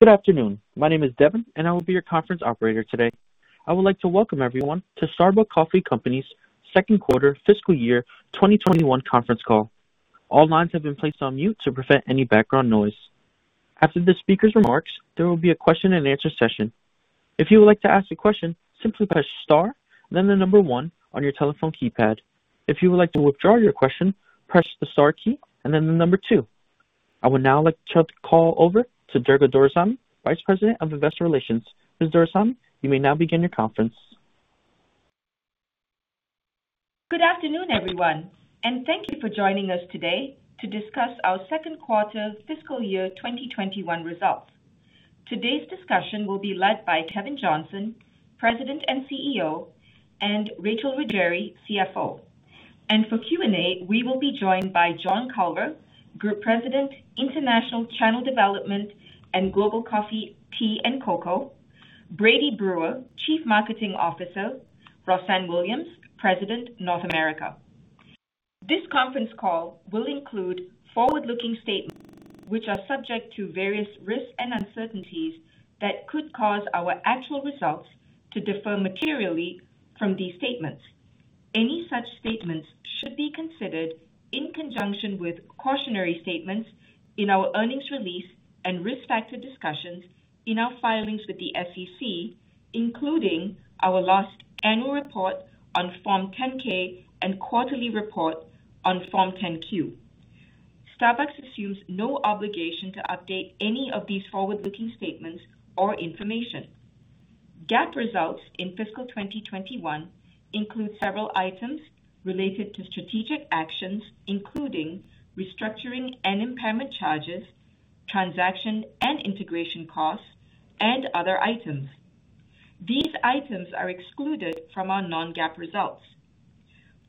Good afternoon. My name is Devin, and I will be your conference operator today. I would like to welcome everyone to Starbucks Coffee Company's second quarter fiscal year 2021 conference call. All lines have been placed on mute to prevent any background noise. After the speaker's remarks, there will be a question and answer session. If you would like to ask a question, simply press star, then the number one on your telephone keypad. If you would like to withdraw your question, press the star key and then the number two. I would now like to turn the call over to Durga Doraisamy, Vice President of Investor Relations. Ms. Doraisamy, you may now begin your conference. Good afternoon, everyone. Thank you for joining us today to discuss our second quarter fiscal year 2021 results. Today's discussion will be led by Kevin Johnson, President and CEO, and Rachel Ruggeri, CFO. For Q&A, we will be joined by John Culver, Group President, International, Channel Development and Global Coffee, Tea and Cocoa, Brady Brewer, Chief Marketing Officer, Rossann Williams, President, North America. This conference call will include forward-looking statements, which are subject to various risks and uncertainties that could cause our actual results to differ materially from these statements. Any such statements should be considered in conjunction with cautionary statements in our earnings release and risk factor discussions in our filings with the SEC, including our last annual report on Form 10-K and quarterly report on Form 10-Q. Starbucks assumes no obligation to update any of these forward-looking statements or information. GAAP results in fiscal 2021 include several items related to strategic actions, including restructuring and impairment charges, transaction and integration costs, and other items. These items are excluded from our non-GAAP results.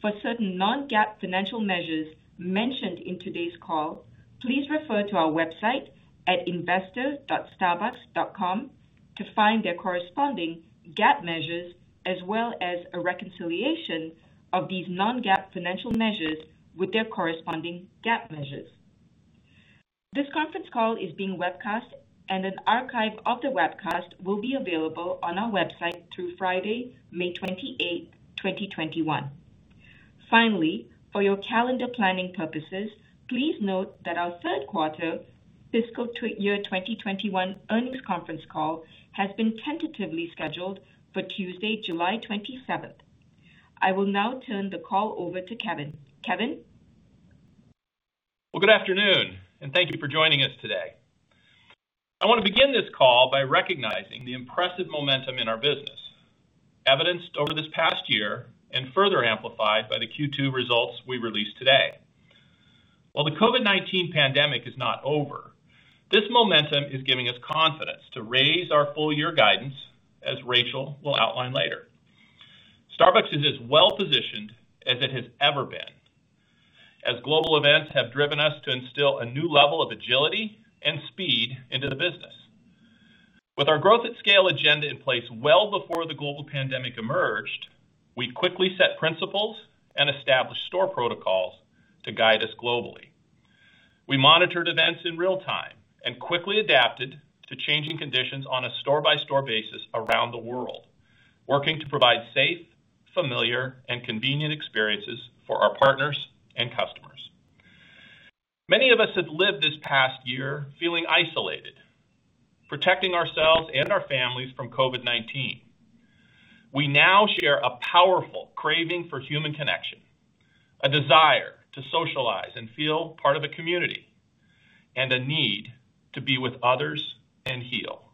For certain non-GAAP financial measures mentioned in today's call, please refer to our website at investor.starbucks.com to find their corresponding GAAP measures as well as a reconciliation of these non-GAAP financial measures with their corresponding GAAP measures. This conference call is being webcast and an archive of the webcast will be available on our website through Friday, May 28th, 2021. Finally, for your calendar planning purposes, please note that our third quarter fiscal year 2021 earnings conference call has been tentatively scheduled for Tuesday, July 27th. I will now turn the call over to Kevin. Kevin? Well, good afternoon, thank you for joining us today. I want to begin this call by recognizing the impressive momentum in our business, evidenced over this past year and further amplified by the Q2 results we released today. While the COVID-19 pandemic is not over, this momentum is giving us confidence to raise our full year guidance, as Rachel will outline later. Starbucks is as well-positioned as it has ever been, as global events have driven us to instill a new level of agility and speed into the business. With our growth at scale agenda in place well before the global pandemic emerged, we quickly set principles and established store protocols to guide us globally. We monitored events in real time and quickly adapted to changing conditions on a store-by-store basis around the world, working to provide safe, familiar, and convenient experiences for our partners and customers. Many of us have lived this past year feeling isolated, protecting ourselves and our families from COVID-19. We now share a powerful craving for human connection, a desire to socialize and feel part of a community, and a need to be with others and heal.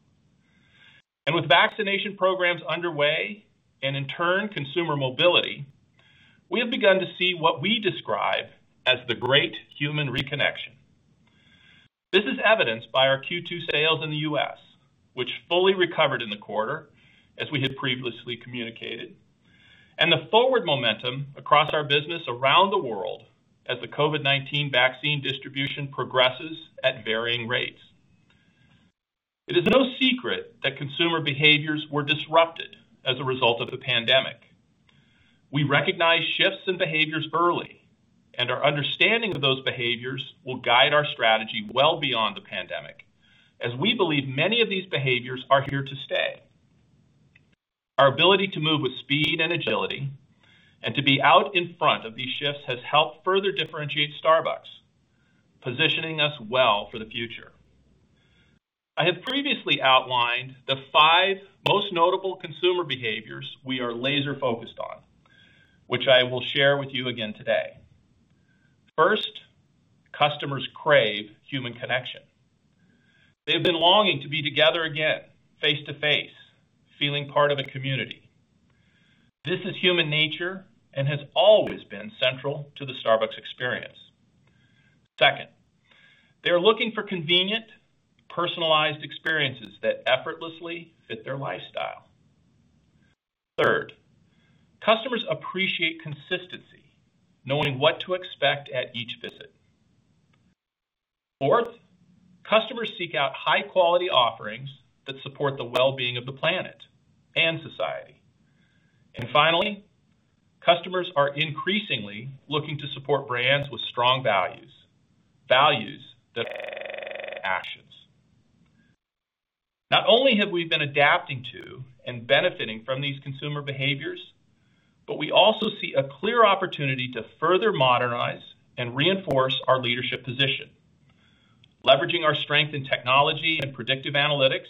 With vaccination programs underway, and in turn, consumer mobility, we have begun to see what we describe as the great human reconnection. This is evidenced by our Q2 sales in the U.S., which fully recovered in the quarter, as we had previously communicated, and the forward momentum across our business around the world as the COVID-19 vaccine distribution progresses at varying rates. It is no secret that consumer behaviors were disrupted as a result of the pandemic. We recognized shifts in behaviors early, and our understanding of those behaviors will guide our strategy well beyond the pandemic, as we believe many of these behaviors are here to stay. Our ability to move with speed and agility and to be out in front of these shifts has helped further differentiate Starbucks, positioning us well for the future. I had previously outlined the five most notable consumer behaviors we are laser-focused on, which I will share with you again today. First, customers crave human connection. They've been longing to be together again, face to face, feeling part of a community. This is human nature and has always been central to the Starbucks experience. Second, they're looking for convenient, personalized experiences that effortlessly fit their lifestyle. Third, customers appreciate consistency, knowing what to expect at each visit. Fourth, customers seek out high-quality offerings that support the well-being of the planet and society. Finally, customers are increasingly looking to support brands with strong values that actions. Not only have we been adapting to and benefiting from these consumer behaviors, but we also see a clear opportunity to further modernize and reinforce our leadership position, leveraging our strength in technology and predictive analytics,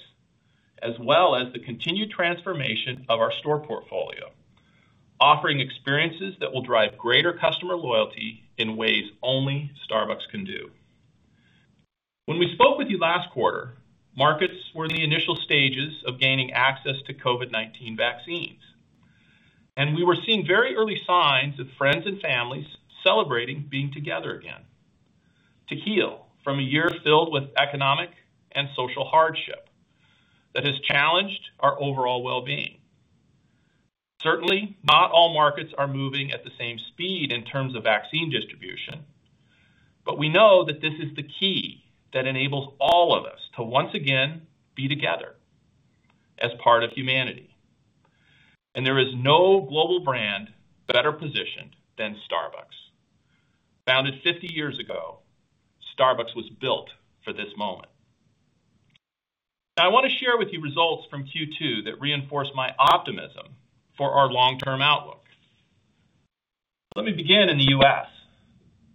as well as the continued transformation of our store portfolio, offering experiences that will drive greater customer loyalty in ways only Starbucks can do. When we spoke with you last quarter, markets were in the initial stages of gaining access to COVID-19 vaccines, and we were seeing very early signs of friends and families celebrating being together again to heal from a year filled with economic and social hardship that has challenged our overall well-being. Certainly, not all markets are moving at the same speed in terms of vaccine distribution. We know that this is the key that enables all of us to once again be together as part of humanity. There is no global brand better positioned than Starbucks. Founded 50 years ago, Starbucks was built for this moment. Now I want to share with you results from Q2 that reinforce my optimism for our long-term outlook. Let me begin in the U.S.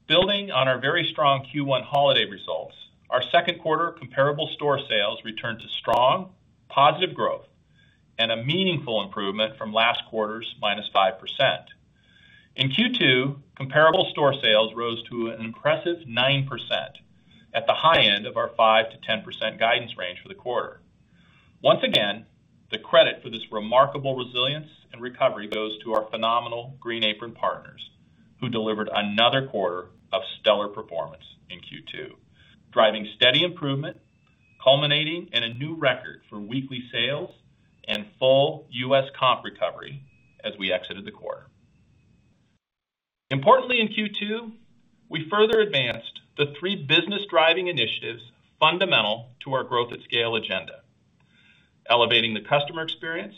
Building on our very strong Q1 holiday results, our second quarter comparable store sales returned to strong, positive growth and a meaningful improvement from last quarter's minus 5%. In Q2, comparable store sales rose to an impressive 9% at the high end of our 5%-10% guidance range for the quarter. Once again, the credit for this remarkable resilience and recovery goes to our phenomenal green apron partners who delivered another quarter of stellar performance in Q2, driving steady improvement, culminating in a new record for weekly sales and full U.S. comp recovery as we exited the quarter. Importantly, in Q2, we further advanced the three business-driving initiatives fundamental to our growth at scale agenda. Elevating the customer experience,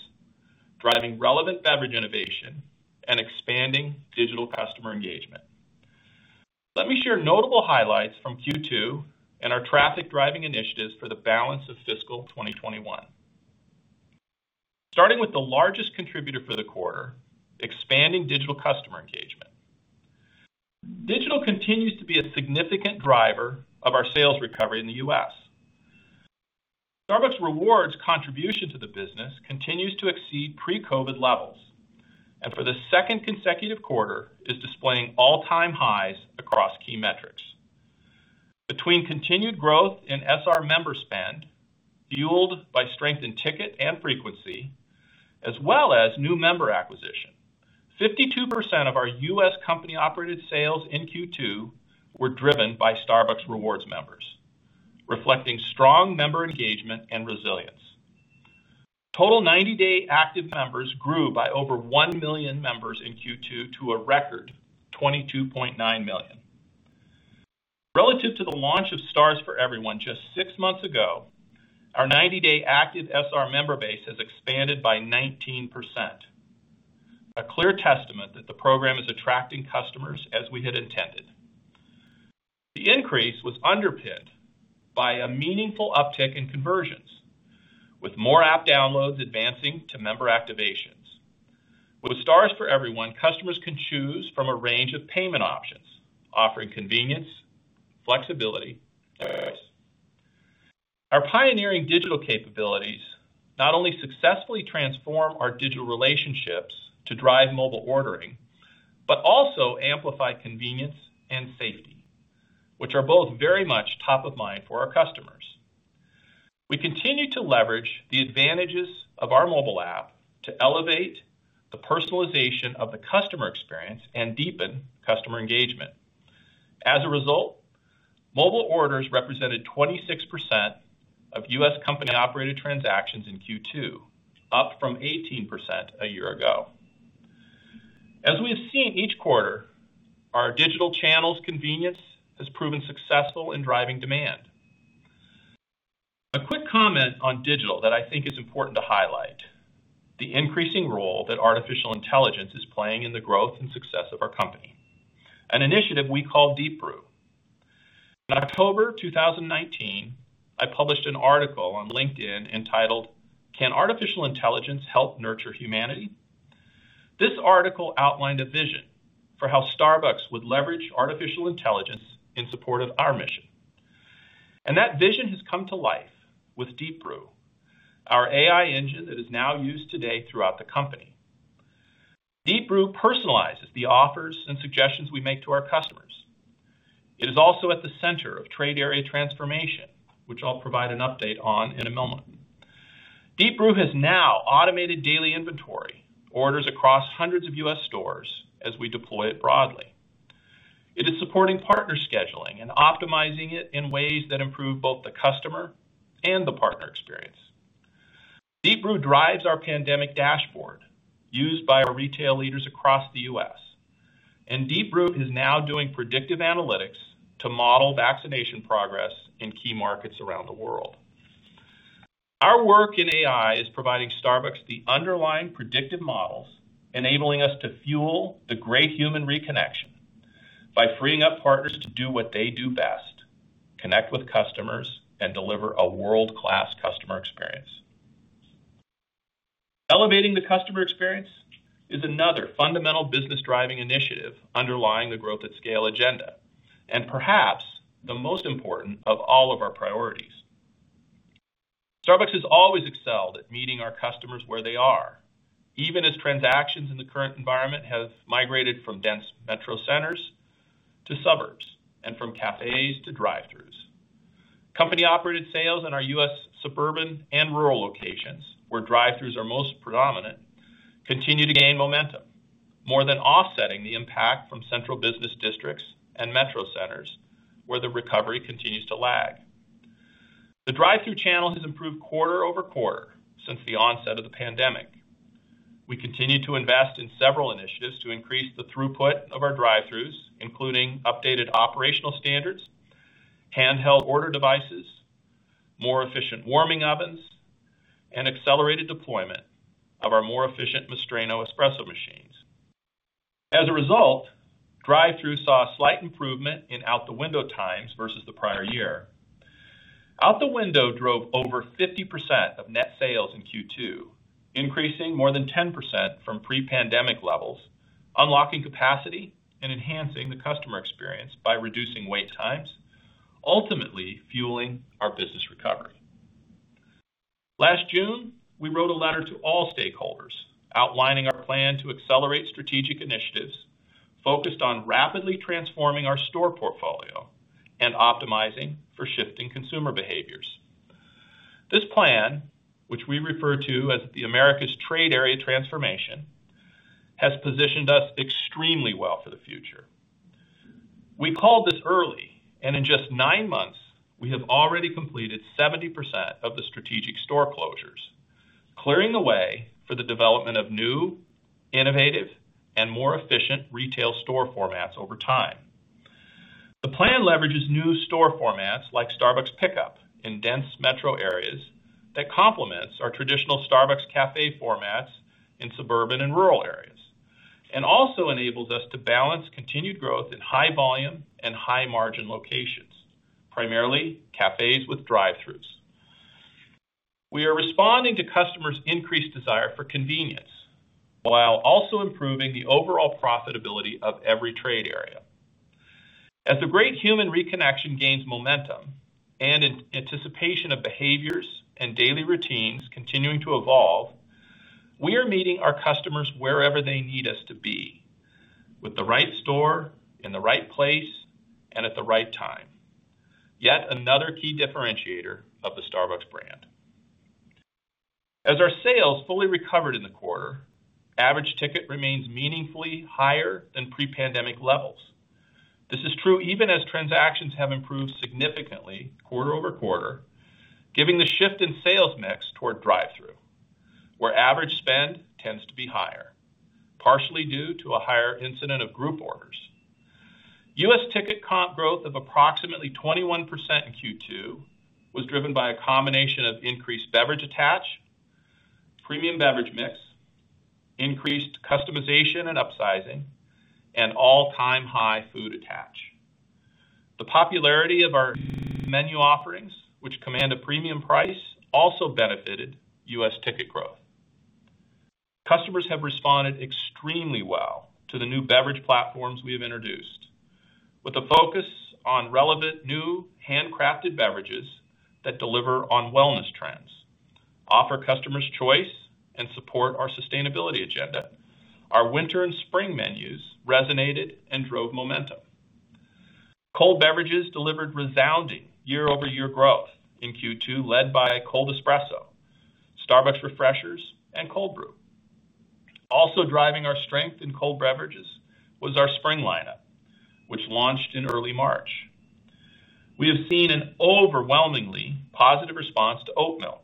driving relevant beverage innovation, and expanding digital customer engagement. Let me share notable highlights from Q2 and our traffic-driving initiatives for the balance of fiscal 2021. Starting with the largest contributor for the quarter, expanding digital customer engagement. Digital continues to be a significant driver of our sales recovery in the U.S. Starbucks Rewards contribution to the business continues to exceed pre-COVID levels, and for the second consecutive quarter, is displaying all-time highs across key metrics. Between continued growth in SR member spend, fueled by strength in ticket and frequency, as well as new member acquisition, 52% of our U.S. company-operated sales in Q2 were driven by Starbucks Rewards members, reflecting strong member engagement and resilience. Total 90-day active members grew by over one million members in Q2 to a record 22.9 million. Relative to the launch of Stars for Everyone just six months ago, our 90-day active SR member base has expanded by 19%, a clear testament that the program is attracting customers as we had intended. The increase was underpinned by a meaningful uptick in conversions, with more app downloads advancing to member activations. With Stars for Everyone, customers can choose from a range of payment options, offering convenience, flexibility. Our pioneering digital capabilities not only successfully transform our digital relationships to drive mobile ordering, but also amplify convenience and safety, which are both very much top of mind for our customers. We continue to leverage the advantages of our mobile app to elevate the personalization of the customer experience and deepen customer engagement. As a result, mobile orders represented 26% of U.S. company-operated transactions in Q2, up from 18% a year ago. As we have seen each quarter, our digital channel's convenience has proven successful in driving demand. A quick comment on digital that I think is important to highlight, the increasing role that artificial intelligence is playing in the growth and success of our company, an initiative we call Deep Brew. In October 2019, I published an article on LinkedIn entitled "Can Artificial Intelligence Help Nurture Humanity?" This article outlined a vision for how Starbucks would leverage artificial intelligence in support of our mission, and that vision has come to life with Deep Brew, our AI engine that is now used today throughout the company. Deep Brew personalizes the offers and suggestions we make to our customers. It is also at the center of Trade Area Transformation, which I'll provide an update on in a moment. Deep Brew has now automated daily inventory orders across hundreds of U.S. stores as we deploy it broadly. It is supporting partner scheduling and optimizing it in ways that improve both the customer and the partner experience. Deep Brew drives our pandemic dashboard used by our retail leaders across the U.S. Deep Brew is now doing predictive analytics to model vaccination progress in key markets around the world. Our work in AI is providing Starbucks the underlying predictive models, enabling us to fuel the great human reconnection by freeing up partners to do what they do best, connect with customers and deliver a world-class customer experience. Elevating the customer experience is another fundamental business-driving initiative underlying the growth at scale agenda, perhaps the most important of all of our priorities. Starbucks has always excelled at meeting our customers where they are, even as transactions in the current environment have migrated from dense metro centers to suburbs and from cafes to drive-throughs. Company-operated sales in our U.S. suburban and rural locations, where drive-throughs are most predominant, continue to gain momentum, more than offsetting the impact from central business districts and metro centers, where the recovery continues to lag. The drive-through channel has improved quarter-over-quarter since the onset of the pandemic. We continue to invest in several initiatives to increase the throughput of our drive-throughs, including updated operational standards, handheld order devices, more efficient warming ovens, and accelerated deployment of our more efficient Mastrena espresso machines. As a result, drive-through saw a slight improvement in out-the-window times versus the prior year. Out-the-window drove over 50% of net sales in Q2, increasing more than 10% from pre-pandemic levels, unlocking capacity and enhancing the customer experience by reducing wait times, ultimately fueling our business recovery. Last June, we wrote a letter to all stakeholders outlining our plan to accelerate strategic initiatives focused on rapidly transforming our store portfolio and optimizing for shifting consumer behaviors. This plan, which we refer to as the Americas Trade Area Transformation, has positioned us extremely well for the future. We called this early, and in just nine months, we have already completed 70% of the strategic store closures, clearing the way for the development of new, innovative, and more efficient retail store formats over time. The plan leverages new store formats like Starbucks Pickup in dense metro areas that complements our traditional Starbucks cafe formats in suburban and rural areas, and also enables us to balance continued growth in high volume and high margin locations, primarily cafes with drive-throughs. We are responding to customers' increased desire for convenience while also improving the overall profitability of every trade area. As the great human reconnection gains momentum and in anticipation of behaviors and daily routines continuing to evolve, we are meeting our customers wherever they need us to be with the right store, in the right place, and at the right time. Another key differentiator of the Starbucks brand. As our sales fully recovered in the quarter, average ticket remains meaningfully higher than pre-pandemic levels. This is true even as transactions have improved significantly quarter-over-quarter, giving the shift in sales mix toward drive-through, where average spend tends to be higher, partially due to a higher incident of group orders. U.S. ticket comp growth of approximately 21% in Q2 was driven by a combination of increased beverage attach, premium beverage mix, increased customization and upsizing, and all-time high food attach. The popularity of our menu offerings, which command a premium price, also benefited U.S. ticket growth. Customers have responded extremely well to the new beverage platforms we have introduced. With a focus on relevant new handcrafted beverages that deliver on wellness trends, offer customers choice, and support our sustainability agenda, our winter and spring menus resonated and drove momentum. Cold beverages delivered resounding year-over-year growth in Q2, led by Cold Espresso, Starbucks Refreshers, and Cold Brew. Also driving our strength in cold beverages was our spring lineup, which launched in early March. We have seen an overwhelmingly positive response to oatmilk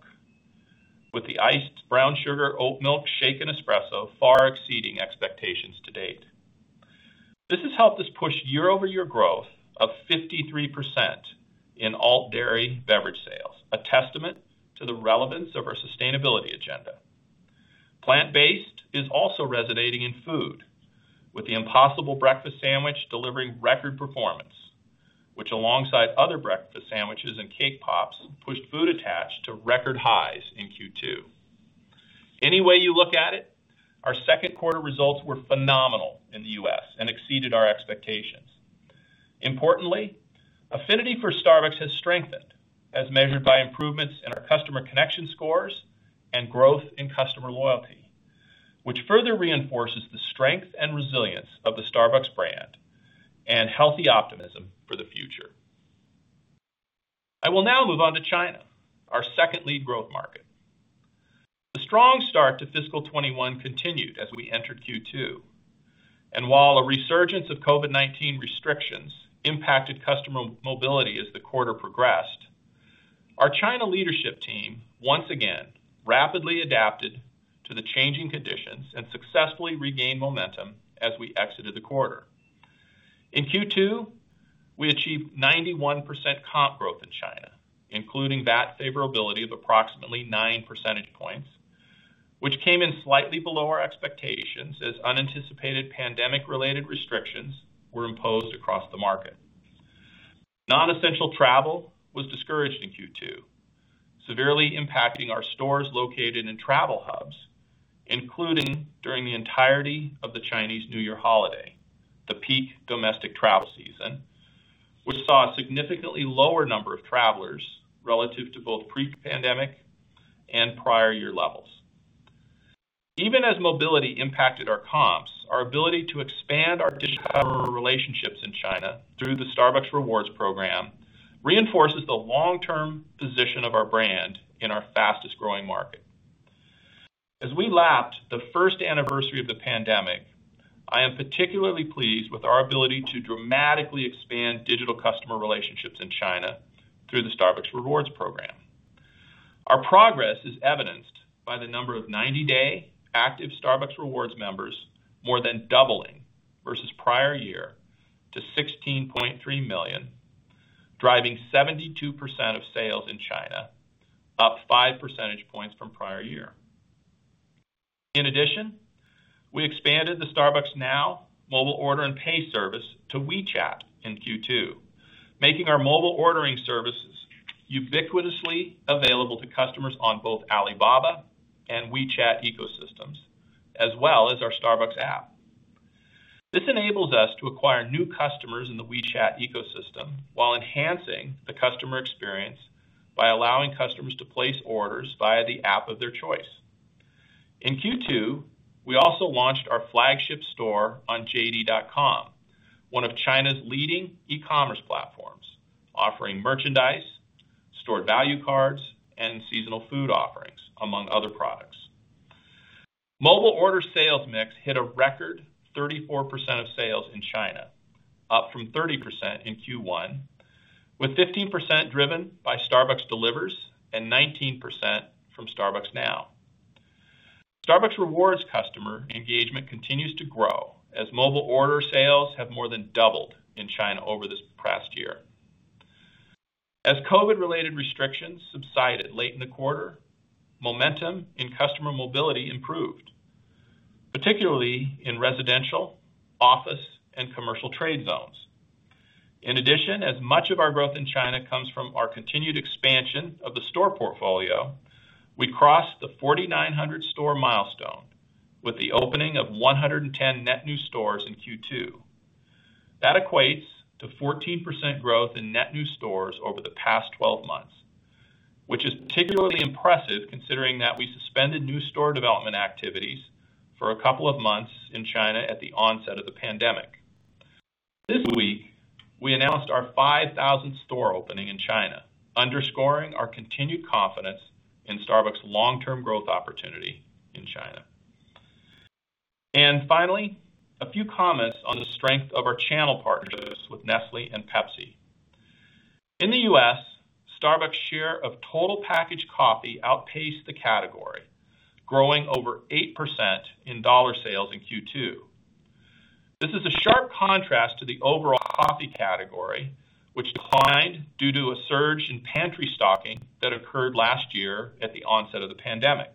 with the Iced Brown Sugar Oatmilk Shaken Espresso far exceeding expectations to date. This has helped us push year-over-year growth of 53% in alt dairy beverage sales, a testament to the relevance of our sustainability agenda. Plant-based is also resonating in food, with the Impossible Breakfast Sandwich delivering record performance, which alongside other breakfast sandwiches and cake pops, pushed food attached to record highs in Q2. Any way you look at it, our second quarter results were phenomenal in the U.S. and exceeded our expectations. Importantly, affinity for Starbucks has strengthened as measured by improvements in our customer connection scores and growth in customer loyalty, which further reinforces the strength and resilience of the Starbucks brand and healthy optimism for the future. I will now move on to China, our second lead growth market. The strong start to fiscal 2021 continued as we entered Q2, and while a resurgence of COVID-19 restrictions impacted customer mobility as the quarter progressed, our China leadership team once again rapidly adapted to the changing conditions and successfully regained momentum as we exited the quarter. In Q2, we achieved 91% comp growth in China, including VAT favorability of approximately nine percentage points, which came in slightly below our expectations as unanticipated pandemic-related restrictions were imposed across the market. Non-essential travel was discouraged in Q2, severely impacting our stores located in travel hubs, including during the entirety of the Chinese New Year holiday, the peak domestic travel season, which saw a significantly lower number of travelers relative to both pre-pandemic and prior year levels. Even as mobility impacted our comps, our ability to expand our digital customer relationships in China through the Starbucks Rewards program reinforces the long-term position of our brand in our fastest-growing market. As we lapped the first anniversary of the pandemic, I am particularly pleased with our ability to dramatically expand digital customer relationships in China through the Starbucks Rewards program. Our progress is evidenced by the number of 90-day active Starbucks Rewards members more than doubling versus prior year to 16.3 million, driving 72% of sales in China, up five percentage points from prior year. In addition, we expanded the Starbucks Now mobile order and pay service to WeChat in Q2, making our mobile ordering services ubiquitously available to customers on both Alibaba and WeChat ecosystems, as well as our Starbucks app. This enables us to acquire new customers in the WeChat ecosystem while enhancing the customer experience by allowing customers to place orders via the app of their choice. In Q2, we also launched our flagship store on JD.com, one of China's leading e-commerce platforms, offering merchandise, stored value cards, and seasonal food offerings, among other products. Mobile order sales mix hit a record 34% of sales in China, up from 30% in Q1, with 15% driven by Starbucks Delivers and 19% from Starbucks Now. Starbucks Rewards customer engagement continues to grow as mobile order sales have more than doubled in China over this past year. As COVID-related restrictions subsided late in the quarter, momentum in customer mobility improved, particularly in residential, office, and commercial trade zones. In addition, as much of our growth in China comes from our continued expansion of the store portfolio, we crossed the 4,900 store milestone with the opening of 110 net new stores in Q2. That equates to 14% growth in net new stores over the past 12 months, which is particularly impressive considering that we suspended new store development activities for a couple of months in China at the onset of the pandemic. This week, we announced our 5,000th store opening in China, underscoring our continued confidence in Starbucks' long-term growth opportunity in China. Finally, a few comments on the strength of our channel partnerships with Nestlé and Pepsi. In the U.S., Starbucks' share of total packaged coffee outpaced the category, growing over 8% in $ sales in Q2. This is a sharp contrast to the overall coffee category, which declined due to a surge in pantry stocking that occurred last year at the onset of the pandemic.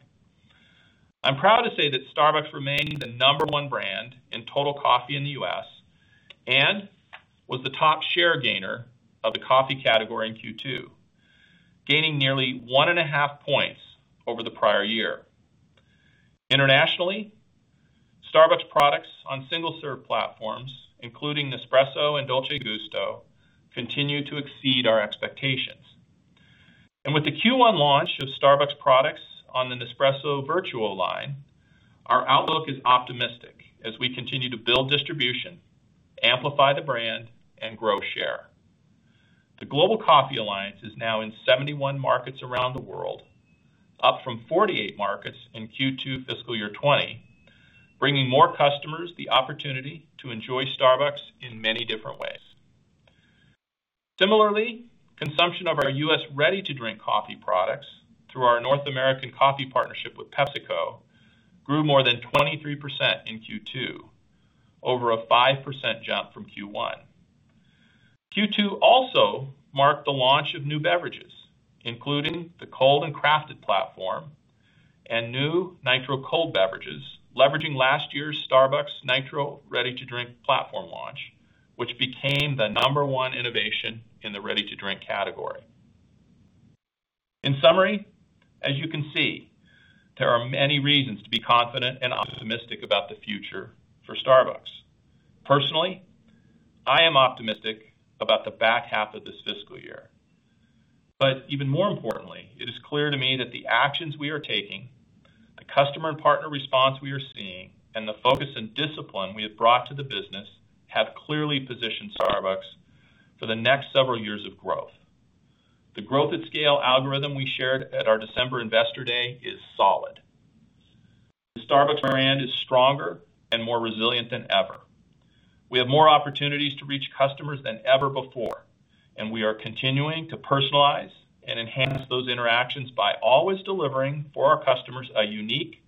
I'm proud to say that Starbucks remains the number one brand in total coffee in the U.S. and was the top share gainer of the coffee category in Q2, gaining nearly 1.5 points over the prior year. Internationally, Starbucks products on single-serve platforms, including Nespresso and Dolce Gusto, continue to exceed our expectations. With the Q1 launch of Starbucks products on the Nespresso Vertuo line, our outlook is optimistic as we continue to build distribution, amplify the brand, and grow share. The Global Coffee Alliance is now in 71 markets around the world, up from 48 markets in Q2 fiscal year 2020, bringing more customers the opportunity to enjoy Starbucks in many different ways. Similarly, consumption of our U.S. ready-to-drink coffee products through our North American Coffee Partnership with PepsiCo grew more than 23% in Q2, over a 5% jump from Q1. Q2 also marked the launch of new beverages, including the Cold & Crafted platform and new Nitro Cold beverages, leveraging last year's Starbucks Nitro ready-to-drink platform launch, which became the number one innovation in the ready-to-drink category. In summary, as you can see, there are many reasons to be confident and optimistic about the future for Starbucks. Personally, I am optimistic about the back half of this fiscal year. Even more importantly, it is clear to me that the actions we are taking, the customer and partner response we are seeing, and the focus and discipline we have brought to the business have clearly positioned Starbucks for the next several years of growth. The growth at scale algorithm we shared at our December investor day is solid. The Starbucks brand is stronger and more resilient than ever. We have more opportunities to reach customers than ever before. We are continuing to personalize and enhance those interactions by always delivering for our customers a unique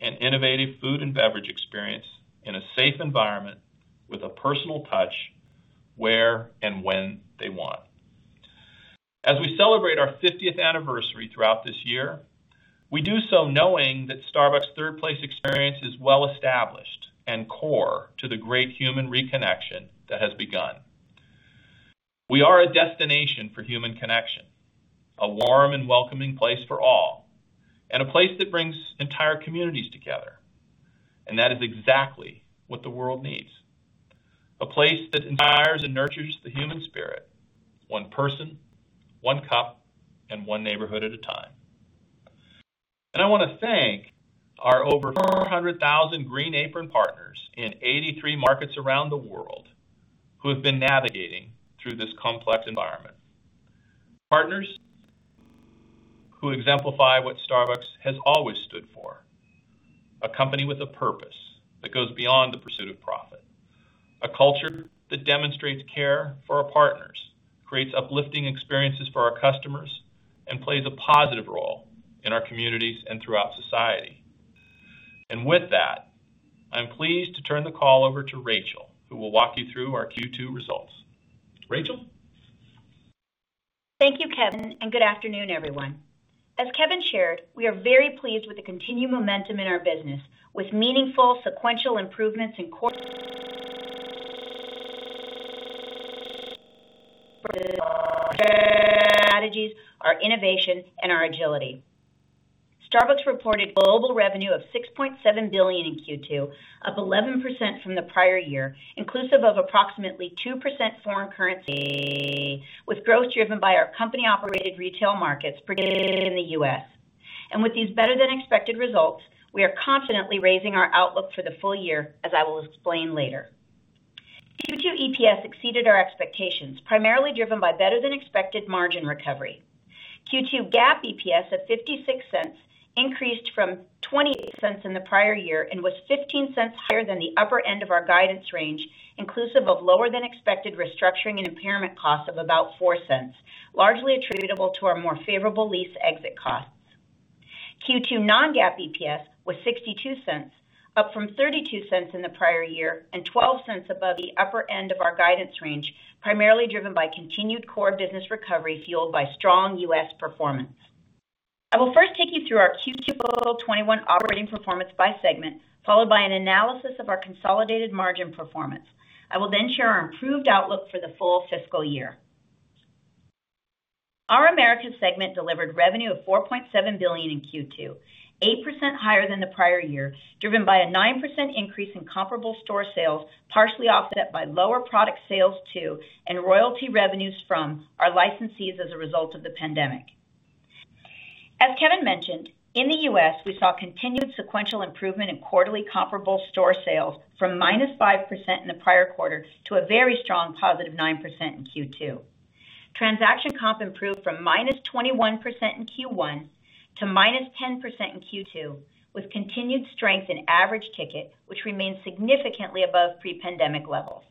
and innovative food and beverage experience in a safe environment with a personal touch where and when they want. As we celebrate our 50th anniversary throughout this year, we do so knowing that Starbucks Third Place experience is well established and core to the great human reconnection that has begun. We are a destination for human connection, a warm and welcoming place for all, a place that brings entire communities together. That is exactly what the world needs. A place that inspires and nurtures the human spirit, one person, one cup, and one neighborhood at a time. I want to thank our over 400,000 green apron partners in 83 markets around the world who have been navigating through this complex environment. Partners who exemplify what Starbucks has always stood for, a company with a purpose that goes beyond the pursuit of profit, a culture that demonstrates care for our partners, creates uplifting experiences for our customers, and plays a positive role in our communities and throughout society. With that, I'm pleased to turn the call over to Rachel, who will walk you through our Q2 results. Rachel? Thank you, Kevin. Good afternoon, everyone. As Kevin shared, we are very pleased with the continued momentum in our business with meaningful sequential improvements in core strategies, our innovation, and our agility. Starbucks reported global revenue of $6.7 billion in Q2, up 11% from the prior year, inclusive of approximately 2% foreign currency, with growth driven by our company-operated retail markets, predominantly in the U.S. With these better-than-expected results, we are confidently raising our outlook for the full year, as I will explain later. Q2 EPS exceeded our expectations, primarily driven by better-than-expected margin recovery. Q2 GAAP EPS at $0.56 increased from $0.28 in the prior year and was $0.15 higher than the upper end of our guidance range, inclusive of lower than expected restructuring and impairment costs of about $0.04, largely attributable to our more favorable lease exit costs. Q2 non-GAAP EPS was $0.62, up from $0.32 in the prior year and $0.12 above the upper end of our guidance range, primarily driven by continued core business recovery fueled by strong U.S. performance. I will first take you through our Q2 fiscal 2021 operating performance by segment, followed by an analysis of our consolidated margin performance. I will then share our improved outlook for the full fiscal year. Our Americas segment delivered revenue of $4.7 billion in Q2, 8% higher than the prior year, driven by a 9% increase in comparable store sales, partially offset by lower product sales to, and royalty revenues from, our licensees as a result of the pandemic. As Kevin mentioned, in the U.S., we saw continued sequential improvement in quarterly comparable store sales from -5% in the prior quarter to a very strong positive 9% in Q2. Transaction comp improved from -21% in Q1 to -10% in Q2, with continued strength in average ticket, which remains significantly above pre-pandemic levels.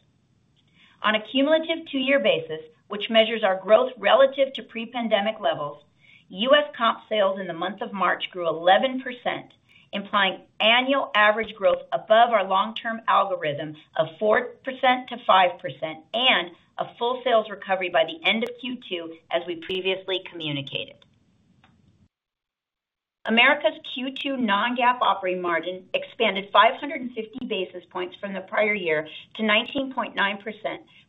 On a cumulative two-year basis, which measures our growth relative to pre-pandemic levels, U.S. comp sales in the month of March grew 11%, implying annual average growth above our long-term algorithm of 4%-5% and a full sales recovery by the end of Q2, as we previously communicated. Americas Q2 non-GAAP operating margin expanded 550 basis points from the prior year to 19.9%,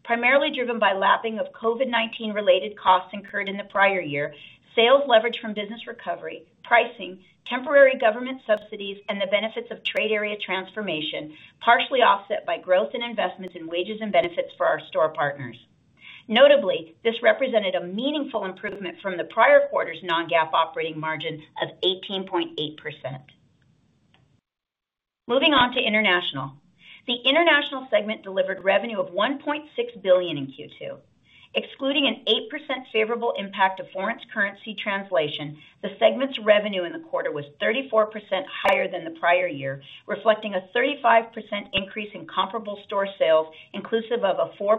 primarily driven by lapping of COVID-19 related costs incurred in the prior year, sales leverage from business recovery, pricing, temporary government subsidies, and the benefits of Trade Area Transformation, partially offset by growth in investments in wages and benefits for our store partners. Notably, this represented a meaningful improvement from the prior quarter's non-GAAP operating margin of 18.8%. Moving on to International. The International segment delivered revenue of $1.6 billion in Q2. Excluding an 8% favorable impact of foreign currency translation, the segment's revenue in the quarter was 34% higher than the prior year, reflecting a 35% increase in comparable store sales, inclusive of a 4%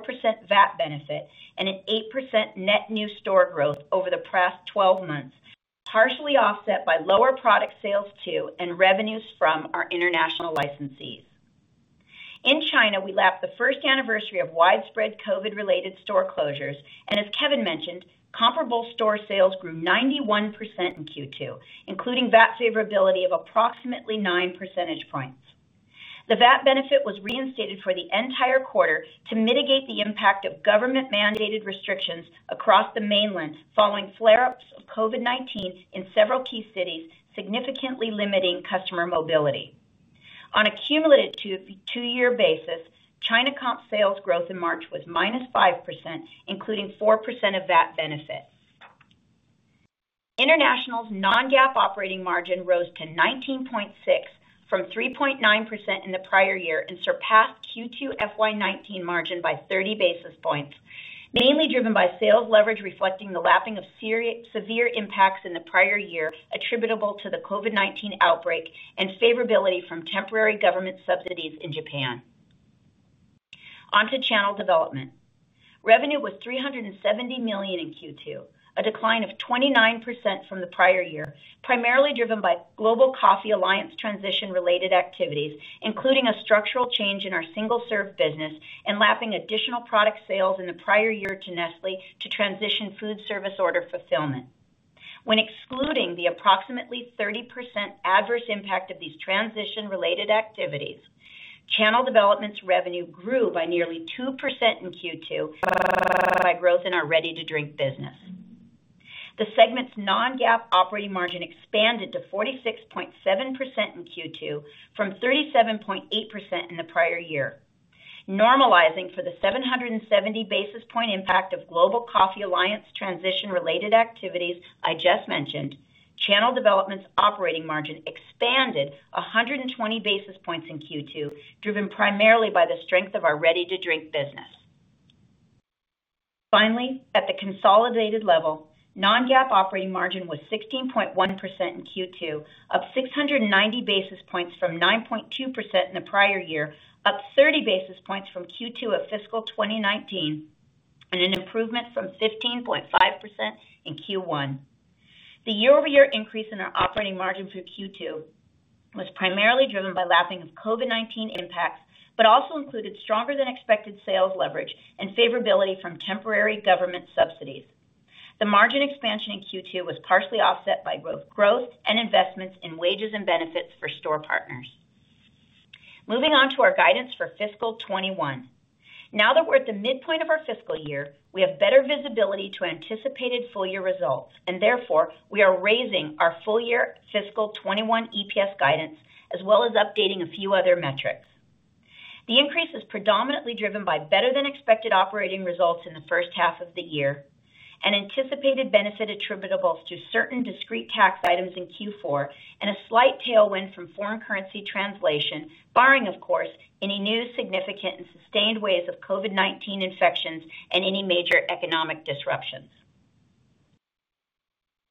VAT benefit and an 8% net new store growth over the past 12 months, partially offset by lower product sales to and revenues from our international licensees. In China, we lapped the first anniversary of widespread COVID-related store closures, and as Kevin mentioned, comparable store sales grew 91% in Q2, including VAT favorability of approximately nine percentage points. The VAT benefit was reinstated for the entire quarter to mitigate the impact of government-mandated restrictions across the mainland following flare-ups of COVID-19 in several key cities, significantly limiting customer mobility. On a cumulative two-year basis, China comp sales growth in March was -5%, including 4% of VAT benefits. International's non-GAAP operating margin rose to 19.6% from 3.9% in the prior year and surpassed Q2 FY 2019 margin by 30 basis points, mainly driven by sales leverage reflecting the lapping of severe impacts in the prior year attributable to the COVID-19 outbreak and favorability from temporary government subsidies in Japan. On to Channel Development. Revenue was $370 million in Q2, a decline of 29% from the prior year, primarily driven by Global Coffee Alliance transition-related activities, including a structural change in our single-serve business, and lapping additional product sales in the prior year to Nestlé to transition food service order fulfillment. When excluding the approximately 30% adverse impact of these transition-related activities, Channel Development's revenue grew by nearly 2% in Q2 by growth in our ready-to-drink business. The segment's non-GAAP operating margin expanded to 46.7% in Q2 from 37.8% in the prior year. Normalizing for the 770 basis point impact of Global Coffee Alliance transition-related activities I just mentioned, channel development's operating margin expanded 120 basis points in Q2, driven primarily by the strength of our ready-to-drink business. Finally, at the consolidated level, non-GAAP operating margin was 16.1% in Q2, up 690 basis points from 9.2% in the prior year, up 30 basis points from Q2 of fiscal 2019, and an improvement from 15.5% in Q1. The year-over-year increase in our operating margin through Q2 was primarily driven by lapping of COVID-19 impacts, but also included stronger than expected sales leverage and favorability from temporary government subsidies. The margin expansion in Q2 was partially offset by both growth and investments in wages and benefits for store partners. Moving on to our guidance for fiscal 2021. Now that we're at the midpoint of our fiscal year, we have better visibility to anticipated full year results, and therefore, we are raising our full year fiscal 2021 EPS guidance, as well as updating a few other metrics. The increase is predominantly driven by better than expected operating results in the first half of the year, an anticipated benefit attributable to certain discrete tax items in Q4, and a slight tailwind from foreign currency translation, barring, of course, any new significant and sustained waves of COVID-19 infections and any major economic disruptions.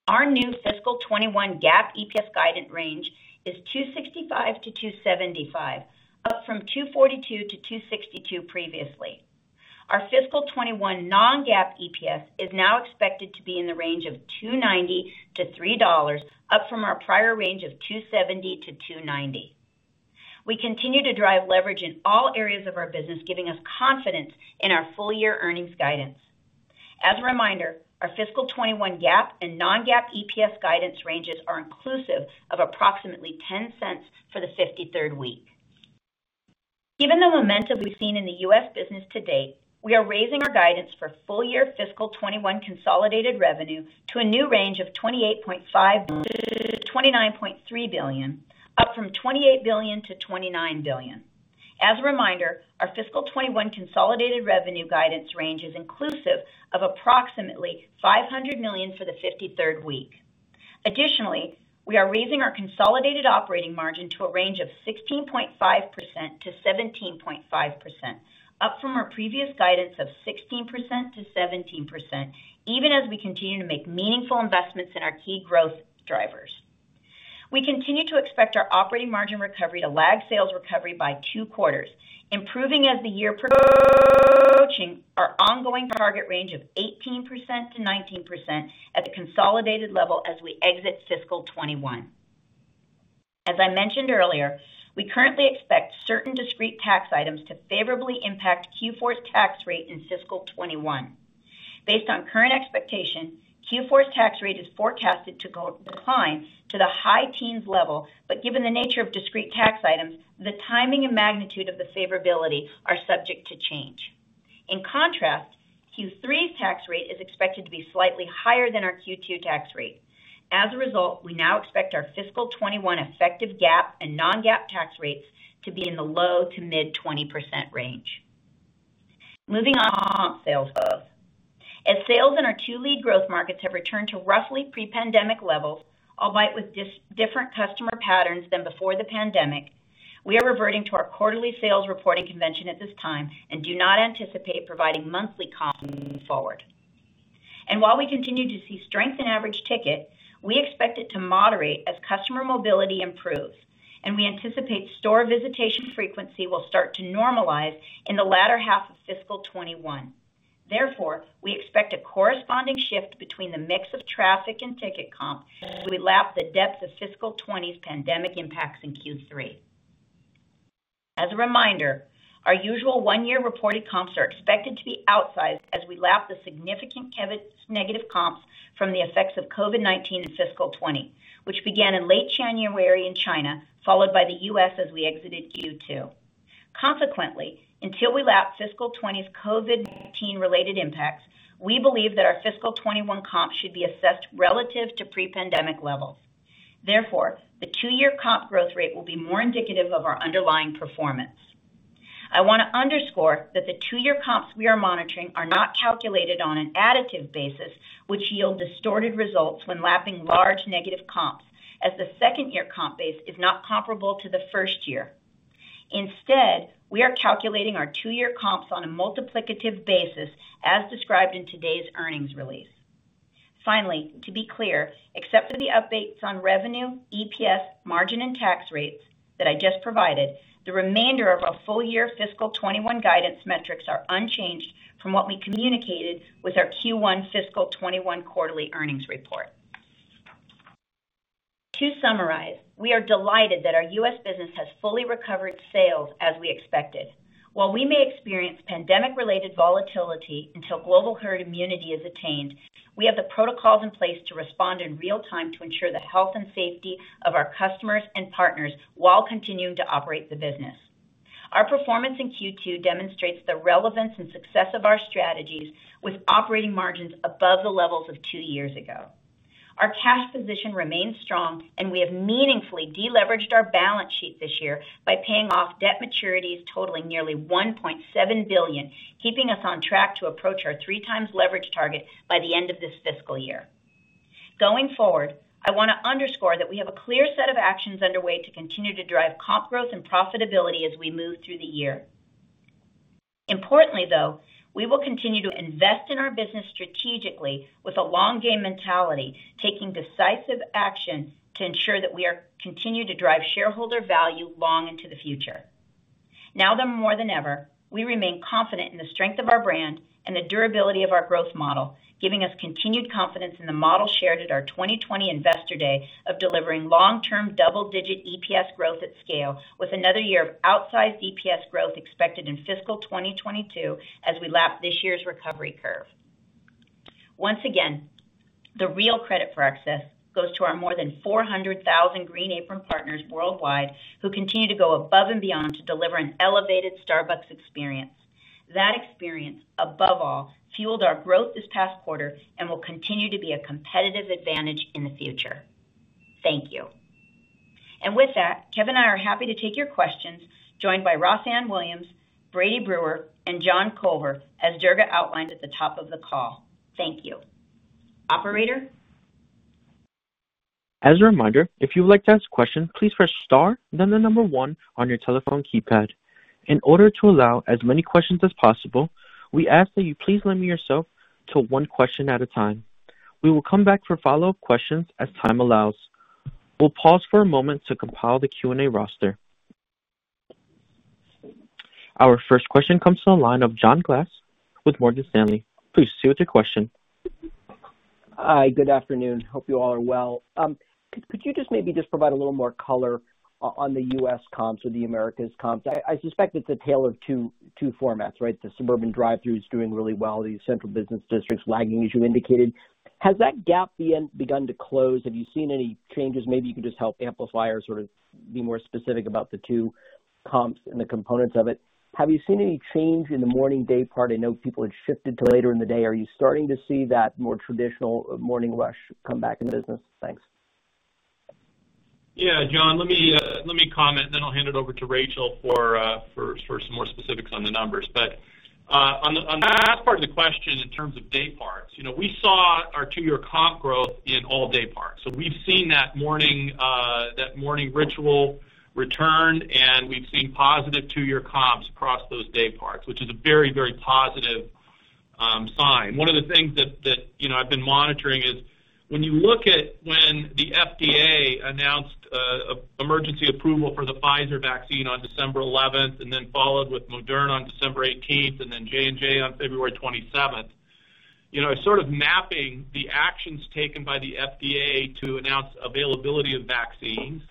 Our new fiscal 2021 GAAP EPS guidance range is $2.65-$2.75, up from $2.42-$2.62 previously. Our fiscal 2021 non-GAAP EPS is now expected to be in the range of $2.90-$3, up from our prior range of $2.70-$2.90. We continue to drive leverage in all areas of our business, giving us confidence in our full-year earnings guidance. As a reminder, our fiscal 2021 GAAP and non-GAAP EPS guidance ranges are inclusive of approximately $0.10 for the 53rd week. Given the momentum we've seen in the U.S. business to date, we are raising our guidance for full-year fiscal 2021 consolidated revenue to a new range of $28.5 billion-$29.3 billion, up from $28 billion-$29 billion. As a reminder, our fiscal 2021 consolidated revenue guidance range is inclusive of approximately $500 million for the 53rd week. Additionally, we are raising our consolidated operating margin to a range of 16.5%-17.5%, up from our previous guidance of 16%-17%, even as we continue to make meaningful investments in our key growth drivers. We continue to expect our operating margin recovery to lag sales recovery by two quarters, improving as the year approaching our ongoing target range of 18%-19% at the consolidated level as we exit fiscal 2021. As I mentioned earlier, we currently expect certain discrete tax items to favorably impact Q4's tax rate in fiscal 2021. Based on current expectation, Q4's tax rate is forecasted to decline to the high teens level. Given the nature of discrete tax items, the timing and magnitude of the favorability are subject to change. In contrast, Q3's tax rate is expected to be slightly higher than our Q2 tax rate. As a result, we now expect our fiscal 2021 effective GAAP and non-GAAP tax rates to be in the low to mid 20% range. Moving on to sales growth. As sales in our two lead growth markets have returned to roughly pre-pandemic levels, albeit with different customer patterns than before the pandemic, we are reverting to our quarterly sales reporting convention at this time and do not anticipate providing monthly comps moving forward. While we continue to see strength in average ticket, we expect it to moderate as customer mobility improves, and we anticipate store visitation frequency will start to normalize in the latter half of fiscal 2021. Therefore, we expect a corresponding shift between the mix of traffic and ticket comp as we lap the depths of fiscal 2020's pandemic impacts in Q3. As a reminder, our usual one-year reported comps are expected to be outsized as we lap the significant negative comps from the effects of COVID-19 in fiscal 2020, which began in late January in China, followed by the U.S. as we exited Q2. Consequently, until we lap fiscal 2020's COVID-19 related impacts, we believe that our fiscal 2021 comps should be assessed relative to pre-pandemic levels. Therefore, the two-year comp growth rate will be more indicative of our underlying performance. I want to underscore that the two-year comps we are monitoring are not calculated on an additive basis, which yield distorted results when lapping large negative comps, as the second-year comp base is not comparable to the first year. Instead, we are calculating our two-year comps on a multiplicative basis, as described in today's earnings release. Finally, to be clear, except for the updates on revenue, EPS, margin, and tax rates that I just provided, the remainder of our full year fiscal 2021 guidance metrics are unchanged from what we communicated with our Q1 fiscal 2021 quarterly earnings report. To summarize, we are delighted that our U.S. business has fully recovered sales as we expected. While we may experience pandemic-related volatility until global herd immunity is attained, we have the protocols in place to respond in real time to ensure the health and safety of our customers and partners while continuing to operate the business. Our performance in Q2 demonstrates the relevance and success of our strategies with operating margins above the levels of two years ago. Our cash position remains strong, and we have meaningfully deleveraged our balance sheet this year by paying off debt maturities totaling nearly $1.7 billion, keeping us on track to approach our three times leverage target by the end of this fiscal year. Going forward, I want to underscore that we have a clear set of actions underway to continue to drive comp growth and profitability as we move through the year. Importantly, though, we will continue to invest in our business strategically with a long game mentality, taking decisive action to ensure that we continue to drive shareholder value long into the future. Now more than ever, we remain confident in the strength of our brand and the durability of our growth model, giving us continued confidence in the model shared at our 2020 investor day of delivering long-term double-digit EPS growth at scale, with another year of outsized EPS growth expected in fiscal 2022 as we lap this year's recovery curve. Once again, the real credit for success goes to our more than 400,000 green apron partners worldwide who continue to go above and beyond to deliver an elevated Starbucks experience. That experience, above all, fueled our growth this past quarter and will continue to be a competitive advantage in the future. Thank you. With that, Kevin and I are happy to take your questions, joined by Rossann Williams, Brady Brewer, and John Culver, as Durga outlined at the top of the call. Thank you. Operator? As a reminder, if you would like to ask questions, please press star then the number one on your telephone keypad. In order to allow as many questions as possible, we ask that you please limit yourself to one question at a time. We will come back for follow-up questions as time allows. We'll pause for a moment to compile the Q&A roster. Our first question comes from the line of John Glass with Morgan Stanley. Please proceed with your question. Hi, good afternoon. Hope you all are well. Could you just maybe just provide a little more color on the U.S. comps or the Americas comps? I suspect it's a tale of two formats, right? The suburban drive-through is doing really well. The central business district's lagging, as you indicated. Has that gap begun to close? Have you seen any changes? Maybe you could just help amplify or sort of be more specific about the two comps and the components of it. Have you seen any change in the morning day part? I know people have shifted to later in the day. Are you starting to see that more traditional morning rush come back in the business? Thanks. Yeah, John, let me comment, and then I'll hand it over to Rachel for some more specifics on the numbers. On the last part of the question in terms of day parts, we saw our two-year comp growth in all day parts. We've seen that morning ritual return, and we've seen positive two-year comps across those day parts, which is a very positive sign. One of the things that I've been monitoring is when you look at when the FDA announced emergency approval for the Pfizer vaccine on December 11th and then followed with Moderna on December 18th and then J&J on February 27th. Sort of mapping the actions taken by the FDA to announce availability of vaccines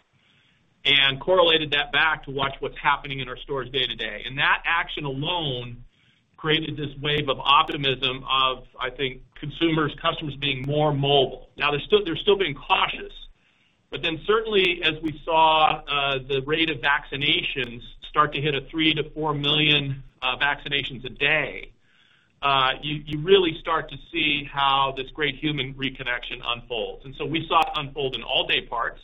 and correlated that back to watch what's happening in our stores day to day. That action alone created this wave of optimism of, I think, consumers, customers being more mobile. Now, they're still being cautious. Certainly as we saw the rate of vaccinations start to hit a three to four million vaccinations a day, you really start to see how this great human reconnection unfolds. We saw it unfold in all day parts.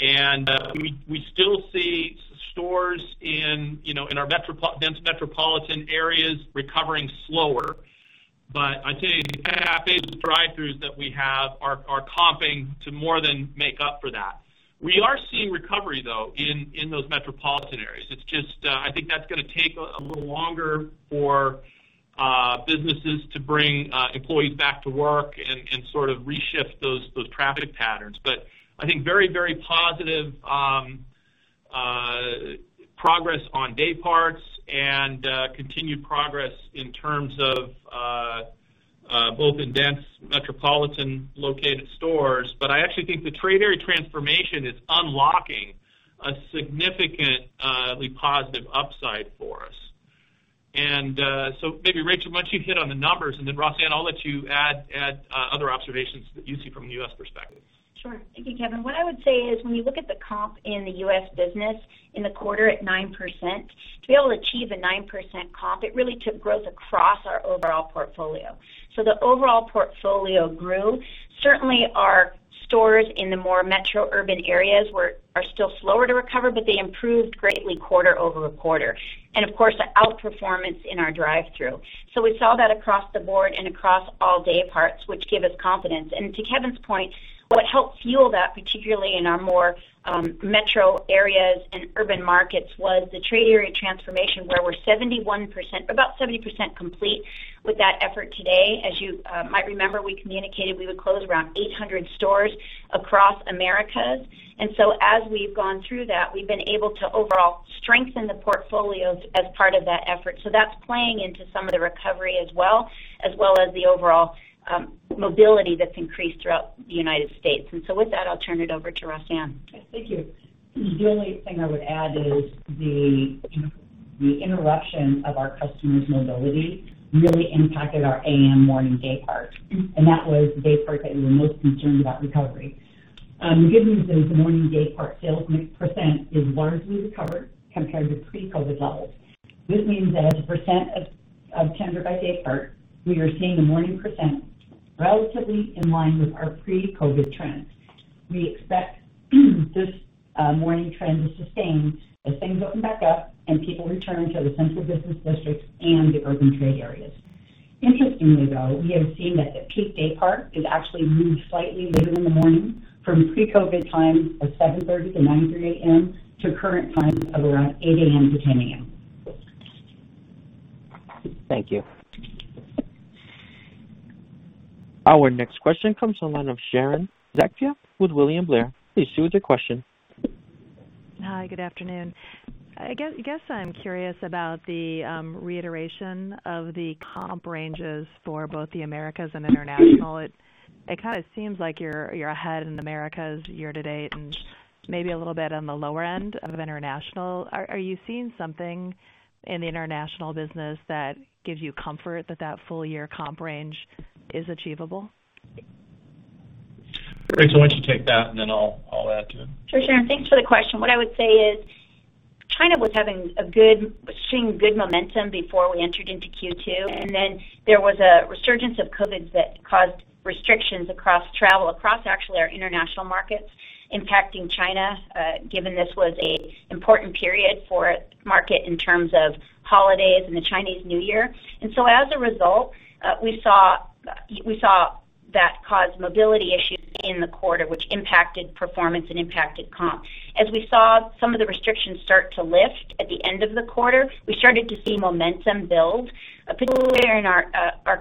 We still see stores in our dense metropolitan areas recovering slower. I'd say the drive-throughs that we have are comping to more than make up for that. We are seeing recovery, though, in those metropolitan areas. It's just I think that's going to take a little longer for businesses to bring employees back to work and sort of reshift those traffic patterns. I think very positive progress on day parts and continued progress in terms of both in dense metropolitan located stores. I actually think the Trade Area Transformation is unlocking a significantly positive upside for us. Maybe Rachel, why don't you hit on the numbers, and then Rossann, I'll let you add other observations that you see from the U.S. perspective. Sure. Thank you, Kevin. When you look at the comp in the U.S. business in the quarter at 9%, to be able to achieve a 9% comp, it really took growth across our overall portfolio. The overall portfolio grew. Certainly our stores in the more metro urban areas are still slower to recover, but they improved greatly quarter-over-quarter, and of course, the outperformance in our drive-through. We saw that across the board and across all day parts, which give us confidence. To Kevin's point, what helped fuel that, particularly in our more metro areas and urban markets, was the Trade Area Transformation, where we're about 70% complete with that effort today. As you might remember, we communicated we would close around 800 stores across Americas. As we've gone through that, we've been able to overall strengthen the portfolios as part of that effort. That's playing into some of the recovery as well, as well as the overall mobility that's increased throughout the United States. With that, I'll turn it over to Rossann. Thank you. The only thing I would add is the interruption of our customers' mobility really impacted our a.m. morning day part, and that was the day part that we were most concerned about recovery. The good news is the morning day part sales mix % is largely recovered compared to pre-COVID levels. This means that as a % of tender by day part, we are seeing the morning % relatively in line with our pre-COVID trends. We expect this morning trend to sustain as things open back up and people return to the central business districts and the urban trade areas. Interestingly, though, we have seen that the peak day part has actually moved slightly later in the morning from pre-COVID times of 7:30 A.M. to 9:00 A.M. to current times of around 8:00 A.M. to 10:00 A.M. Thank you. Our next question comes on the line of Sharon Zackfia with William Blair. Please proceed with your question. Hi, good afternoon. I guess I'm curious about the reiteration of the comp ranges for both the Americas and international. It kind of seems like you're ahead in the Americas year to date and maybe a little bit on the lower end of international. Are you seeing something in the international business that gives you comfort that that full-year comp range is achievable? Grace, why don't you take that, and then I'll add to it. Sure. Sharon, thanks for the question. What I would say is China was seeing good momentum before we entered into Q2, then there was a resurgence of COVID that caused restrictions across travel, across actually our international markets impacting China, given this was an important period for its market in terms of holidays and the Chinese New Year. As a result, we saw that cause mobility issues in the quarter, which impacted performance and impacted comp. As we saw some of the restrictions start to lift at the end of the quarter, we started to see momentum build, particularly in our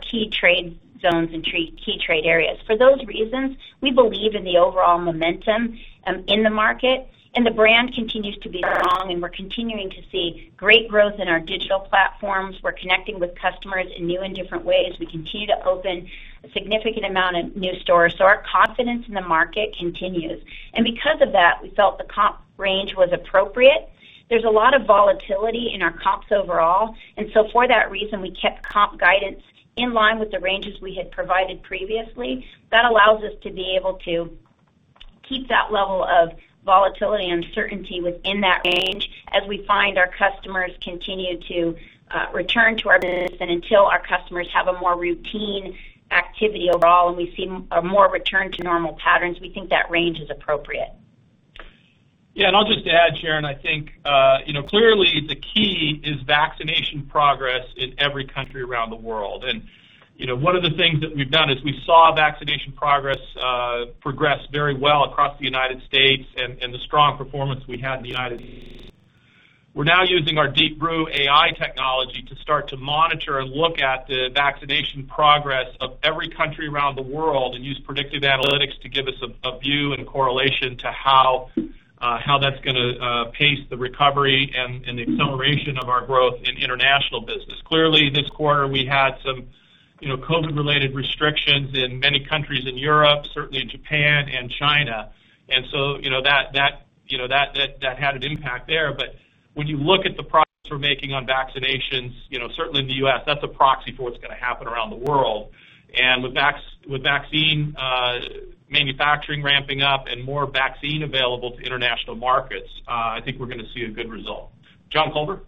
key trade zones and key trade areas. For those reasons, we believe in the overall momentum in the market, and the brand continues to be strong, and we're continuing to see great growth in our digital platforms. We're connecting with customers in new and different ways. We continue to open a significant amount of new stores. Our confidence in the market continues. Because of that, we felt the comp range was appropriate. There's a lot of volatility in our comps overall, and so for that reason, we kept comp guidance in line with the ranges we had provided previously. That allows us to be able to keep that level of volatility and certainty within that range as we find our customers continue to return to our business. Until our customers have a more routine activity overall, and we see a more return to normal patterns, we think that range is appropriate. Yeah, I'll just add, Sharon, I think clearly the key is vaccination progress in every country around the world. One of the things that we've done is we saw vaccination progress very well across the United States and the strong performance we had in the United States. We're now using our Deep Brew AI technology to start to monitor and look at the vaccination progress of every country around the world and use predictive analytics to give us a view and correlation to how that's going to pace the recovery and the acceleration of our growth in international business. Clearly, this quarter, we had some COVID-related restrictions in many countries in Europe, certainly in Japan and China. That had an impact there. When you look at the progress we're making on vaccinations, certainly in the U.S., that's a proxy for what's going to happen around the world. With vaccine manufacturing ramping up and more vaccine available to international markets, I think we're going to see a good result. John Culver?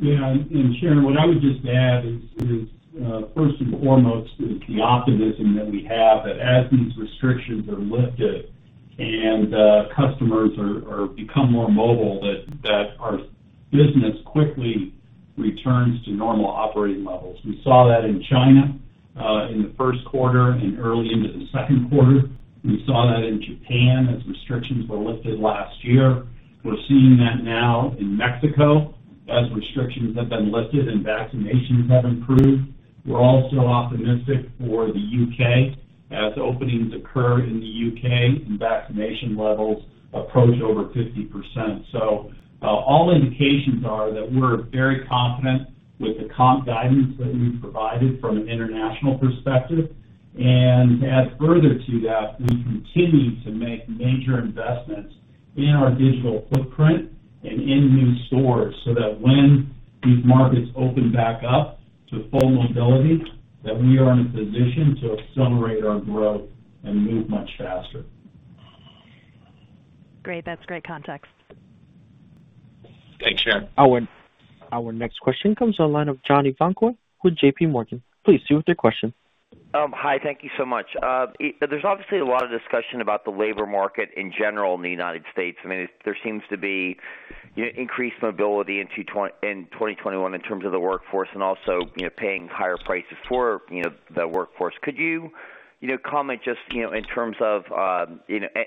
Sharon, what I would just add is, first and foremost, is the optimism that we have that as these restrictions are lifted and customers become more mobile, that our business quickly returns to normal operating levels. We saw that in China in the first quarter and early into the second quarter. We saw that in Japan as restrictions were lifted last year. We're seeing that now in Mexico as restrictions have been lifted and vaccinations have improved. We're also optimistic for the U.K. as openings occur in the U.K. and vaccination levels approach over 50%. All indications are that we're very confident with the comp guidance that we've provided from an international perspective. To add further to that, we continue to make major investments in our digital footprint and in new stores so that when these markets open back up to full mobility, that we are in a position to accelerate our growth and move much faster. Great. That's great context. Thanks, Sharon. Our next question comes on the line of John Ivankoe with JPMorgan. Please proceed with your question. Hi. Thank you so much. There's obviously a lot of discussion about the labor market in general in the U.S. There seems to be increased mobility in 2021 in terms of the workforce and also paying higher prices for the workforce. Could you comment just in terms of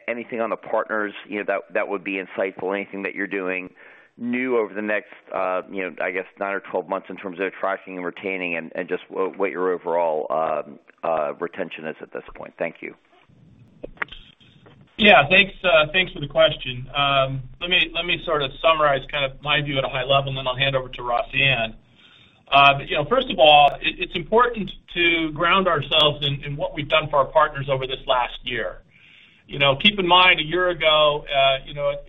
anything on the partners that would be insightful, anything that you're doing new over the next, I guess, nine or 12 months in terms of attracting and retaining and just what your overall retention is at this point? Thank you. Yeah. Thanks for the question. Let me sort of summarize my view at a high level, and then I'll hand over to Rossann. First of all, it's important to ground ourselves in what we've done for our partners over this last year. Keep in mind, a year ago,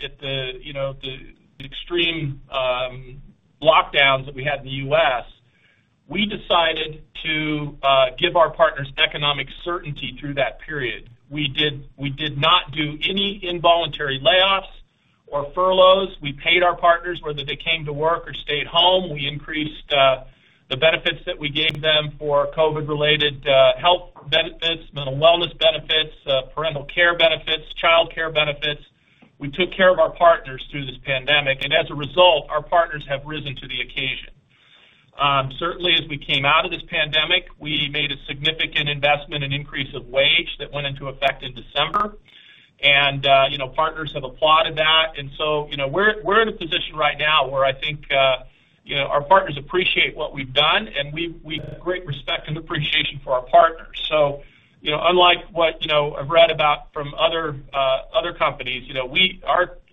at the extreme lockdowns that we had in the U.S., we decided to give our partners economic certainty through that period. We did not do any involuntary layoffs or furloughs. We paid our partners, whether they came to work or stayed home. We increased the benefits that we gave them for COVID-related health benefits, mental wellness benefits, parental care benefits, childcare benefits. We took care of our partners through this pandemic, and as a result, our partners have risen to the occasion. Certainly, as we came out of this pandemic, we made a significant investment and increase of wage that went into effect in December. Partners have applauded that. We're in a position right now where I think our partners appreciate what we've done, and we've great respect and appreciation for our partners. Unlike what I've read about from other companies,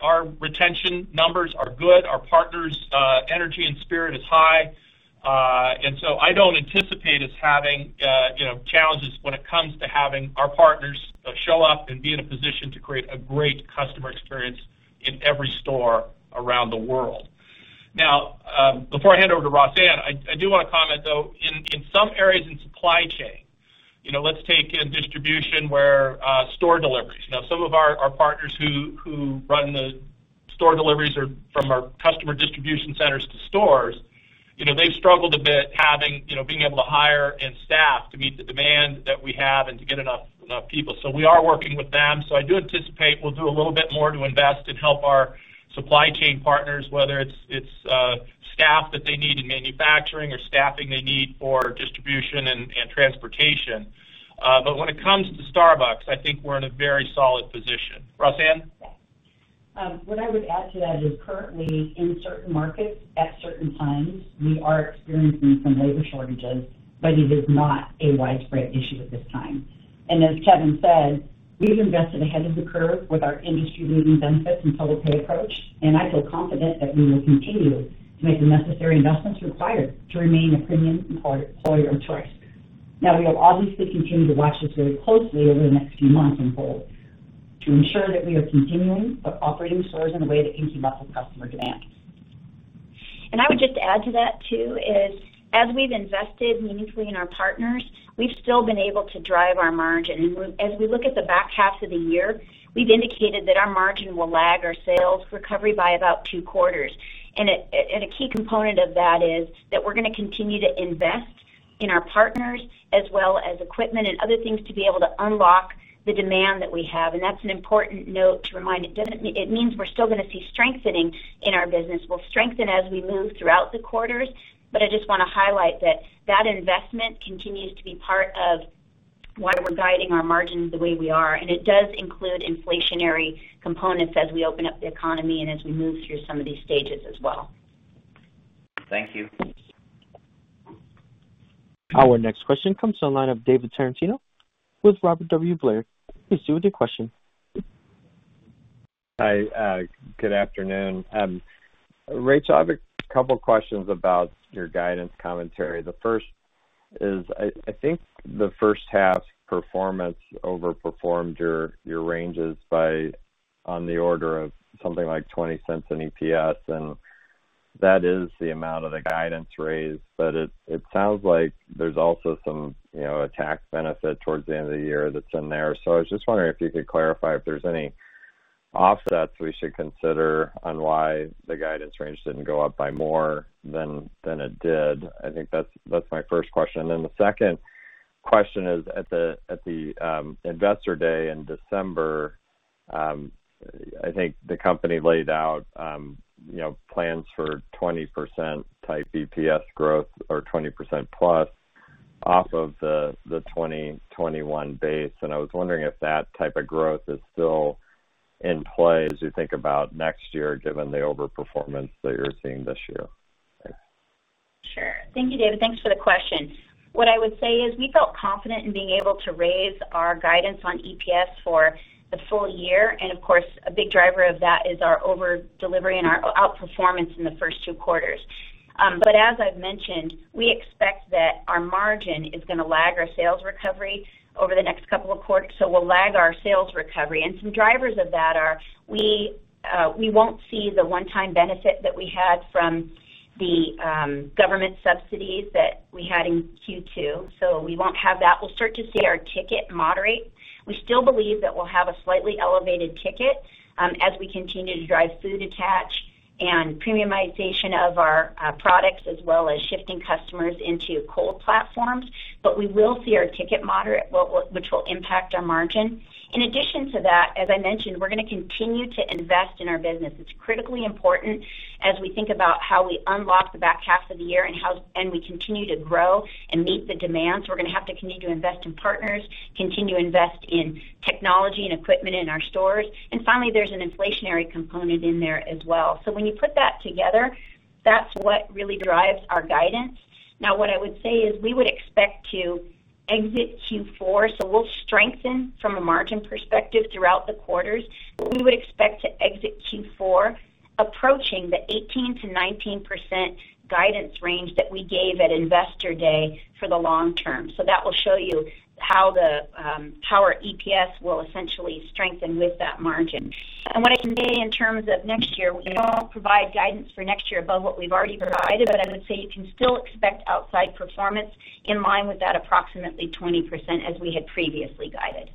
our retention numbers are good. Our partners' energy and spirit is high. I don't anticipate us having challenges when it comes to having our partners show up and be in a position to create a great customer experience in every store around the world. Now, before I hand over to Rossann, I do want to comment, though, in some areas in supply chain. Let's take in distribution where store deliveries. Some of our partners who run the store deliveries from our customer distribution centers to stores, they've struggled a bit, being able to hire and staff to meet the demand that we have and to get enough people. We are working with them. I do anticipate we'll do a little bit more to invest and help our supply chain partners, whether it's staff that they need in manufacturing or staffing they need for distribution and transportation. When it comes to Starbucks, I think we're in a very solid position. Rossann? What I would add to that is currently in certain markets at certain times, we are experiencing some labor shortages, but it is not a widespread issue at this time. As Kevin said, we've invested ahead of the curve with our industry-leading benefits and total pay approach, and I feel confident that we will continue to make the necessary investments required to remain a premium employer of choice. We will obviously continue to watch this very closely over the next few months and forward to ensure that we are continuing operating stores in a way that can keep up with customer demand. Thank you. Our next question comes to the line of David Tarantino with Robert W. Baird. Please do with your question. Hi. Good afternoon. Rachel, I have a couple questions about your guidance commentary. The first is, I think the first half performance overperformed your ranges by on the order of something like $0.20 in EPS, and that is the amount of the guidance raised. It sounds like there's also some tax benefit towards the end of the year that's in there. I was just wondering if you could clarify if there's any offsets we should consider on why the guidance range didn't go up by more than it did. I think that's my first question. The second question is at the investor day in December, I think the company laid out plans for 20% type EPS growth or 20% plus off of the 2021 base, and I was wondering if that type of growth is still in play as you think about next year, given the overperformance that you're seeing this year. Thanks. Sure. Thank you, David. Thanks for the question. What I would say is we felt confident in being able to raise our guidance on EPS for the full year. Of course, a big driver of that is our over delivery and our outperformance in the first two quarters. As I've mentioned, we expect that our margin is going to lag our sales recovery over the next couple of quarters. We'll lag our sales recovery. Some drivers of that are We won't see the one-time benefit that we had from the government subsidies that we had in Q2. We won't have that. We'll start to see our ticket moderate. We still believe that we'll have a slightly elevated ticket as we continue to drive food attach and premiumization of our products, as well as shifting customers into cold platforms. We will see our ticket moderate, which will impact our margin. In addition to that, as I mentioned, we're going to continue to invest in our business. It's critically important as we think about how we unlock the back half of the year and we continue to grow and meet the demands. We're going to have to continue to invest in partners, continue to invest in technology and equipment in our stores. Finally, there's an inflationary component in there as well. When you put that together, that's what really drives our guidance. What I would say is we would expect to exit Q4, so we'll strengthen from a margin perspective throughout the quarters. We would expect to exit Q4 approaching the 18%-19% guidance range that we gave at Investor Day for the long term. That will show you how our EPS will essentially strengthen with that margin. What I can say in terms of next year, we don't provide guidance for next year above what we've already provided. I would say you can still expect outside performance in line with that approximately 20% as we had previously guided.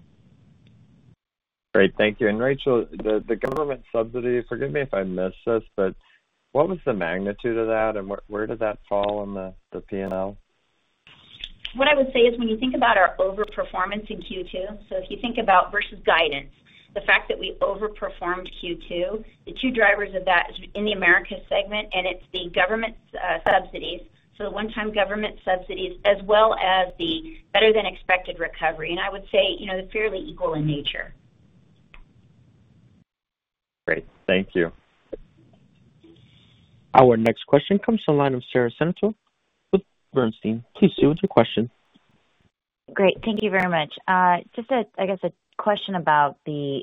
Great, thank you. Rachel, the government subsidy, forgive me if I missed this, but what was the magnitude of that and where did that fall on the P&L? What I would say is when you think about our over-performance in Q2, if you think about versus guidance, the fact that we overperformed Q2, the two drivers of that is in the Americas segment, and it's the government subsidies. The one-time government subsidies, as well as the better-than-expected recovery. I would say they're fairly equal in nature. Great. Thank you. Our next question comes from the line of Sara Senatore with Bernstein. Please, Sara, what's your question? Great. Thank you very much. Just, I guess a question about the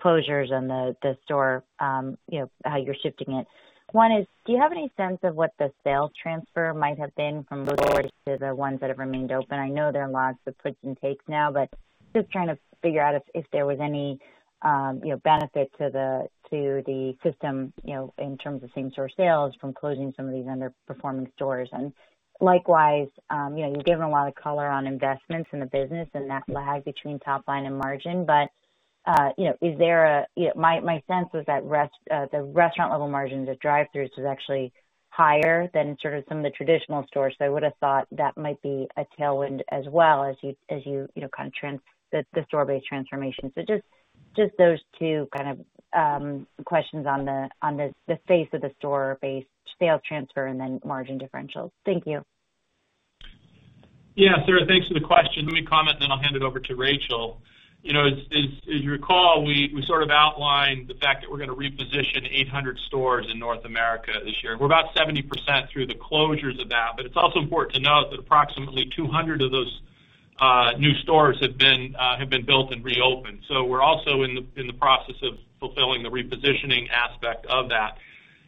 closures and the store, how you're shifting it. One is, do you have any sense of what the sales transfer might have been from those stores to the ones that have remained open? I know there are lots of puts and takes now, just trying to figure out if there was any benefit to the system in terms of same-store sales from closing some of these underperforming stores. Likewise, you've given a lot of color on investments in the business and that lag between top line and margin. My sense was that the restaurant-level margins at drive-throughs was actually higher than sort of some of the traditional stores. I would've thought that might be a tailwind as well as you kind of trans the store-based transformation. Just those two kind of questions on the space of the store-based sales transfer and then margin differentials. Thank you. Sara, thanks for the question. Let me comment, then I'll hand it over to Rachel Ruggeri. As you recall, we sort of outlined the fact that we're going to reposition 800 stores in North America this year. We're about 70% through the closures of that. It's also important to note that approximately 200 of those new stores have been built and reopened. We're also in the process of fulfilling the repositioning aspect of that.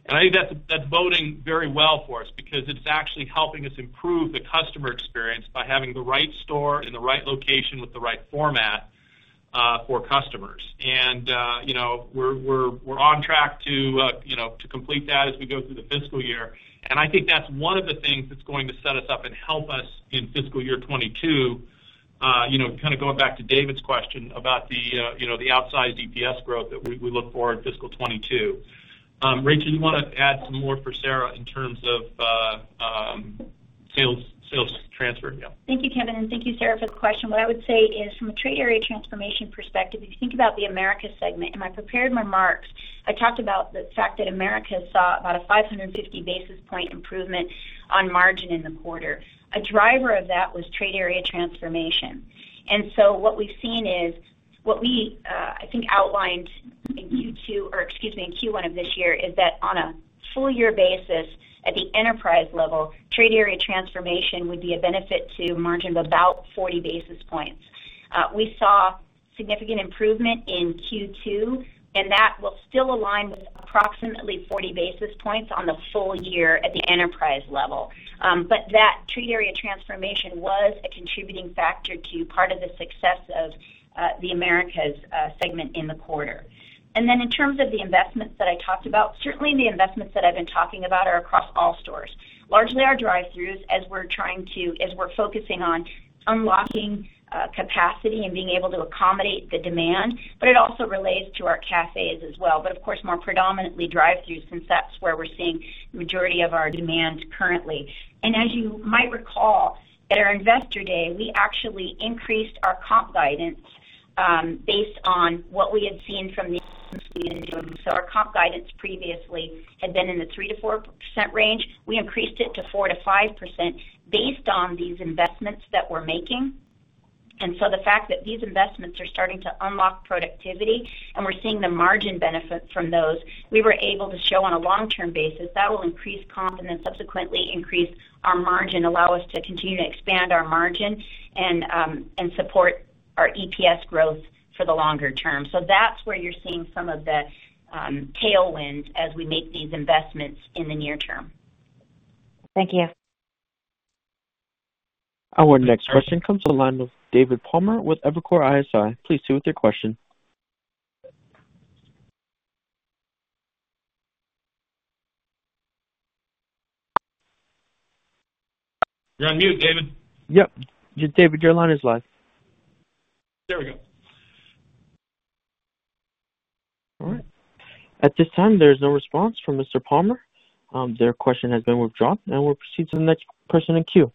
I think that's boding very well for us because it's actually helping us improve the customer experience by having the right store in the right location with the right format for customers. We're on track to complete that as we go through the fiscal year. I think that's one of the things that's going to set us up and help us in fiscal year 2022, kind of going back to David's question about the outsized EPS growth that we look for in fiscal 2022. Rachel, you want to add some more for Sara in terms of sales transfer? Yeah. Thank you, Kevin, and thank you, Sara, for the question. What I would say is from a Trade Area Transformation perspective, if you think about the Americas segment, in my prepared remarks, I talked about the fact that Americas saw about a 550 basis points improvement on margin in the quarter. A driver of that was Trade Area Transformation. What we've seen is what we, I think, outlined in Q2, or excuse me, in Q1 of this year, is that on a full-year basis at the enterprise level, Trade Area Transformation would be a benefit to margin of about 40 basis points. We saw significant improvement in Q2, that will still align with approximately 40 basis points on the full year at the enterprise level. That Trade Area Transformation was a contributing factor to part of the success of the Americas segment in the quarter. In terms of the investments that I talked about, certainly the investments that I've been talking about are across all stores. Largely our drive-throughs as we're focusing on unlocking capacity and being able to accommodate the demand, but it also relates to our cafes as well. Of course, more predominantly drive-throughs since that's where we're seeing the majority of our demand currently. As you might recall, at our Investor Day, we actually increased our comp guidance based on what we had seen so our comp guidance previously had been in the 3%-4% range. We increased it to 4%-5% based on these investments that we're making. The fact that these investments are starting to unlock productivity and we're seeing the margin benefit from those, we were able to show on a long-term basis that will increase comp and then subsequently increase our margin, allow us to continue to expand our margin and support our EPS growth for the longer term. That's where you're seeing some of the tailwinds as we make these investments in the near term. Thank you. Our next question comes to the line with David Palmer with Evercore ISI. Please proceed with your question. You're on mute, David. Yep. David, your line is live. There we go. All right. At this time, there is no response from Mr. Palmer. Their question has been withdrawn. We'll proceed to the next person in queue.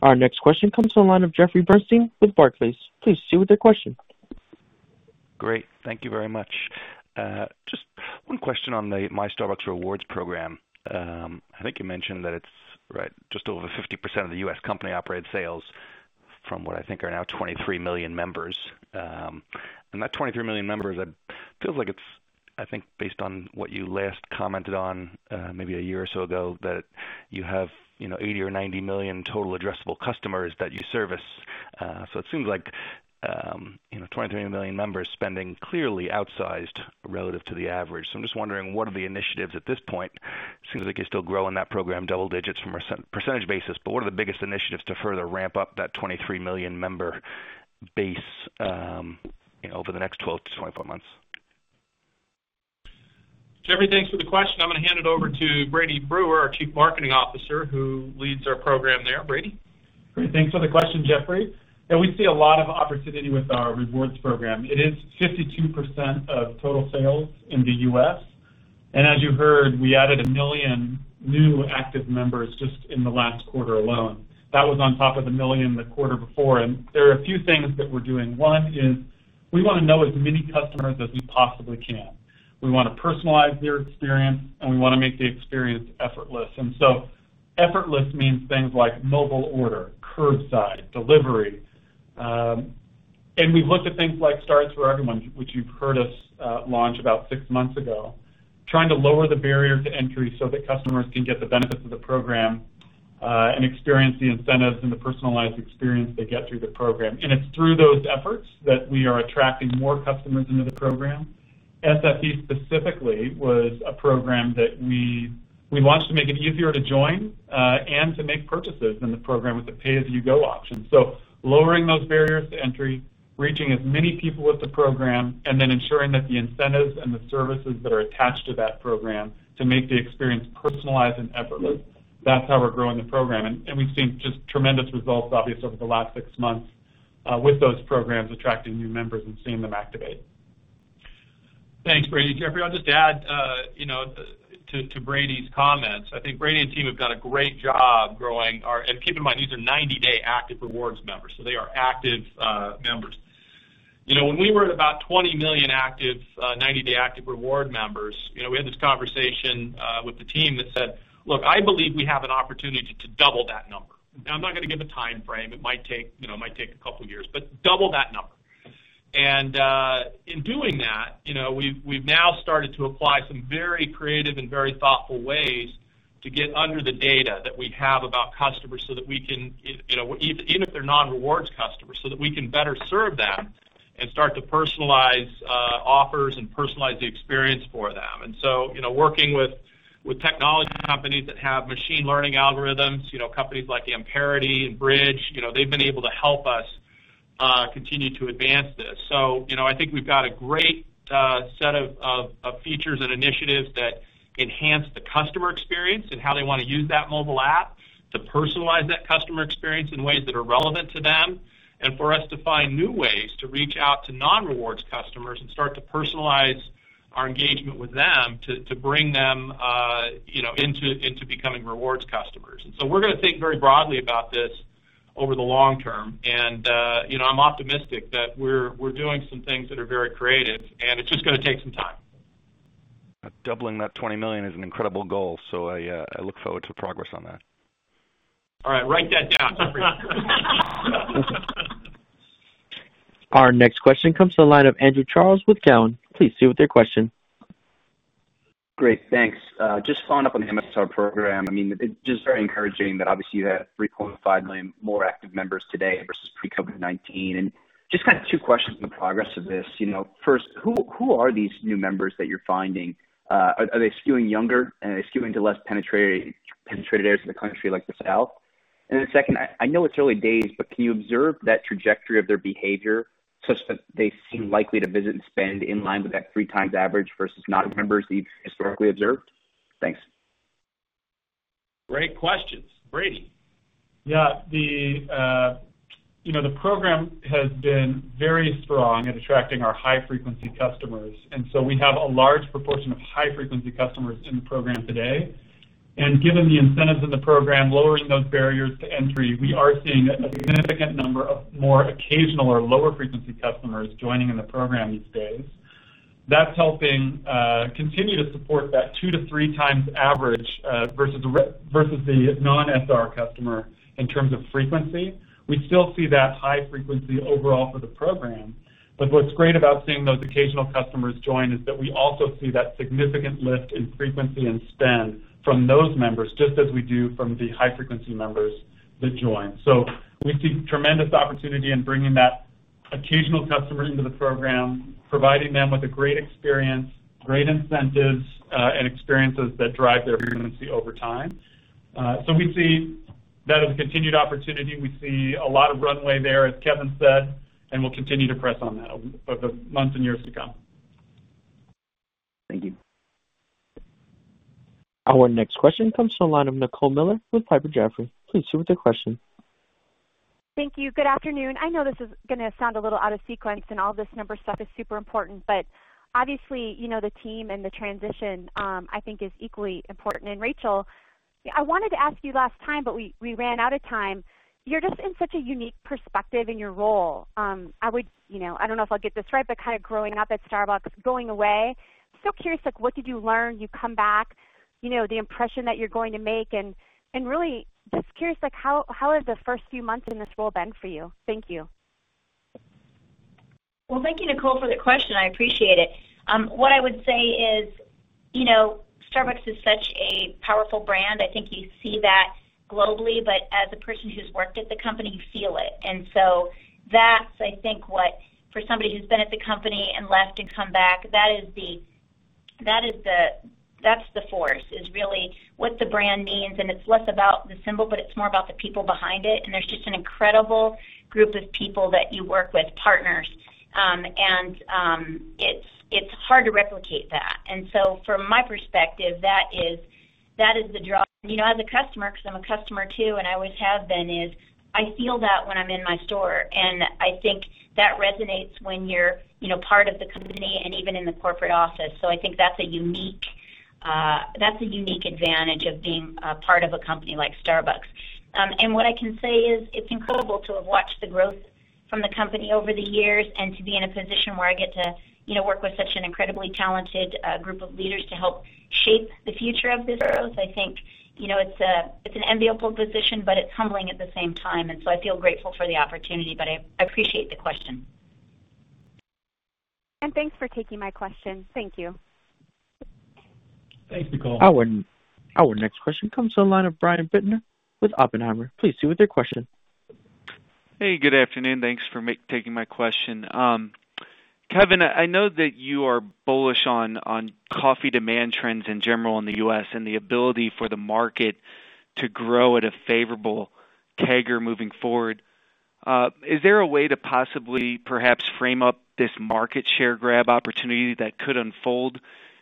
Our next question comes to the line of Jeffrey Bernstein with Barclays. Please proceed with your question. Great. Thank you very much. Just one question on the Starbucks Rewards program. I think you mentioned that it's just over 50% of the U.S. company-operated sales from what I think are now 23 million members. That 23 million members, it feels like it's, I think based on what you last commented on maybe a year or so ago, that you have 80 or 90 million total addressable customers that you service. It seems like, 23 million members spending clearly outsized relative to the average. I'm just wondering what are the initiatives at this point? It seems like you're still growing that program double digits from a percentage basis, but what are the biggest initiatives to further ramp up that 23 million member base over the next 12-24 months? Jeffrey, thanks for the question. I'm going to hand it over to Brady Brewer, our Chief Marketing Officer, who leads our program there. Brady? Great. Thanks for the question, Jeffrey. Yeah, we see a lot of opportunity with our Starbucks Rewards program. It is 52% of total sales in the U.S., and as you heard, we added a million new active members just in the last quarter alone. That was on top of the million the quarter before. There are a few things that we're doing. One is we want to know as many customers as we possibly can. We want to personalize their experience, and we want to make the experience effortless. Effortless means things like mobile order, curbside, delivery. We've looked at things like Stars for Everyone, which you've heard us launch about six months ago, trying to lower the barrier to entry so that customers can get the benefits of the program, and experience the incentives and the personalized experience they get through the program. It's through those efforts that we are attracting more customers into the program. SFE specifically was a program that we launched to make it easier to join, and to make purchases in the program with the pay-as-you-go option. Lowering those barriers to entry, reaching as many people with the program, and then ensuring that the incentives and the services that are attached to that program to make the experience personalized and effortless, that's how we're growing the program, and we've seen just tremendous results, obviously, over the last six months, with those programs attracting new members and seeing them activate. Thanks, Brady. Jeffrey, I'll just add to Brady's comments. I think Brady and team have done a great job growing. Keep in mind, these are 90-day active Rewards members, so they are active members. When we were at about 20 million active, 90-day active Rewards members, we had this conversation with the team that said, "Look, I believe we have an opportunity to double that number." I'm not going to give a timeframe. It might take a couple of years, but double that number. In doing that, we've now started to apply some very creative and very thoughtful ways to get under the data that we have about customers, even if they're non-Rewards customers, so that we can better serve them and start to personalize offers and personalize the experience for them. Working with technology companies that have machine learning algorithms, companies like Amperity and Bridge, they've been able to help us continue to advance this. I think we've got a great set of features and initiatives that enhance the customer experience and how they want to use that mobile app to personalize that customer experience in ways that are relevant to them. For us to find new ways to reach out to non-Rewards customers and start to personalize our engagement with them to bring them into becoming Rewards customers. We're going to think very broadly about this over the long term, and I'm optimistic that we're doing some things that are very creative, and it's just going to take some time. Doubling that $20 million is an incredible goal, so I look forward to progress on that. All right. Write that down, Jeffrey. Our next question comes to the line of Andrew Charles with Cowen. Please proceed with your question. Great, thanks. Just following up on the MSR program. It's just very encouraging that obviously you have 3.5 million more active members today versus pre-COVID-19. Just kind of two questions on the progress of this. First, who are these new members that you're finding? Are they skewing younger? Are they skewing to less penetrated areas of the country like the South? Second, I know it's early days, but can you observe that trajectory of their behavior such that they seem likely to visit and spend in line with that three times average versus non-members that you've historically observed? Thanks. Great questions. Brady? Yeah. The program has been very strong at attracting our high-frequency customers. We have a large proportion of high-frequency customers in the program today. Given the incentives in the program, lowering those barriers to entry, we are seeing a significant number of more occasional or lower frequency customers joining in the program these days. That's helping continue to support that two to three times average, versus the non-SR customer in terms of frequency. We still see that high frequency overall for the program, what's great about seeing those occasional customers join is that we also see that significant lift in frequency and spend from those members, just as we do from the high-frequency members that join. We see tremendous opportunity in bringing that occasional customers into the program, providing them with a great experience, great incentives, and experiences that drive their frequency over time. We see that as a continued opportunity. We see a lot of runway there, as Kevin said, and we'll continue to press on that over the months and years to come. Thank you. Our next question comes from the line of Nicole Miller with Piper Sandler. Please proceed with your question. Thank you. Good afternoon. I know this is going to sound a little out of sequence, and all this number stuff is super important, but obviously, the team and the transition, I think is equally important. Rachel, I wanted to ask you last time, but we ran out of time. You're just in such a unique perspective in your role. I don't know if I'll get this right, but kind of growing up at Starbucks, going away, I'm so curious, what did you learn? You come back, the impression that you're going to make, and really just curious, how have the first few months in this role been for you? Thank you. Well, thank you, Nicole, for the question. I appreciate it. What I would say is, Starbucks is such a powerful brand. I think you see that globally. As a person who's worked at the company, you feel it. That's, I think what, for somebody who's been at the company and left and come back, that's the force, is really what the brand means. It's less about the symbol, but it's more about the people behind it. There's just an incredible group of people that you work with, partners. It's hard to replicate that. From my perspective, that is the draw. As a customer, because I'm a customer too, and I always have been, is I feel that when I'm in my store. I think that resonates when you're part of the company and even in the corporate office. I think that's a unique advantage of being a part of a company like Starbucks. What I can say is, it's incredible to have watched the growth from the company over the years and to be in a position where I get to work with such an incredibly talented group of leaders to help shape the future of this. I think it's an enviable position, but it's humbling at the same time. I feel grateful for the opportunity. I appreciate the question. Thanks for taking my question. Thank you. Thanks, Nicole. Our next question comes to the line of Brian Bittner with Oppenheimer. Please proceed with your question. Hey, good afternoon. Thanks for taking my question. Kevin, I know that you are bullish on coffee demand trends in general in the U.S. and the ability for the market to grow at a favorable CAGR moving forward. Is there a way to possibly perhaps frame up this market share grab opportunity that could unfold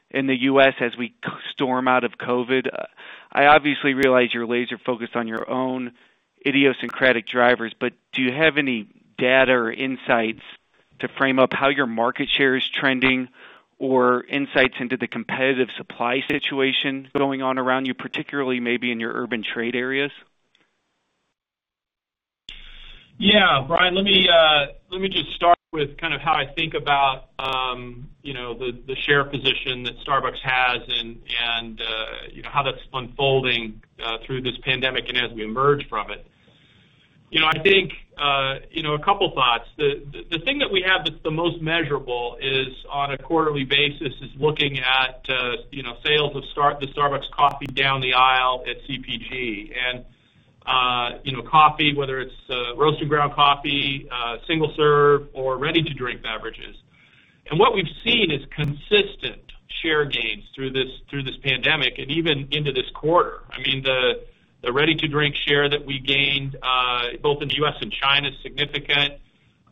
in the U.S. as we storm out of COVID? I obviously realize you're laser focused on your own idiosyncratic drivers, but do you have any data or insights to frame up how your market share is trending or insights into the competitive supply situation going on around you, particularly maybe in your urban trade areas? Yeah, Brian, let me just start with kind of how I think about the share position that Starbucks has and how that's unfolding through this pandemic and as we emerge from it. I think, a couple thoughts. The thing that we have that's the most measurable is on a quarterly basis, is looking at sales of the Starbucks coffee down the aisle at CPG, and coffee, whether it's roasted ground coffee, single-serve, or ready-to-drink beverages. What we've seen is consistent share gains through this pandemic and even into this quarter. I mean, the ready-to-drink share that we gained both in the U.S. and China is significant.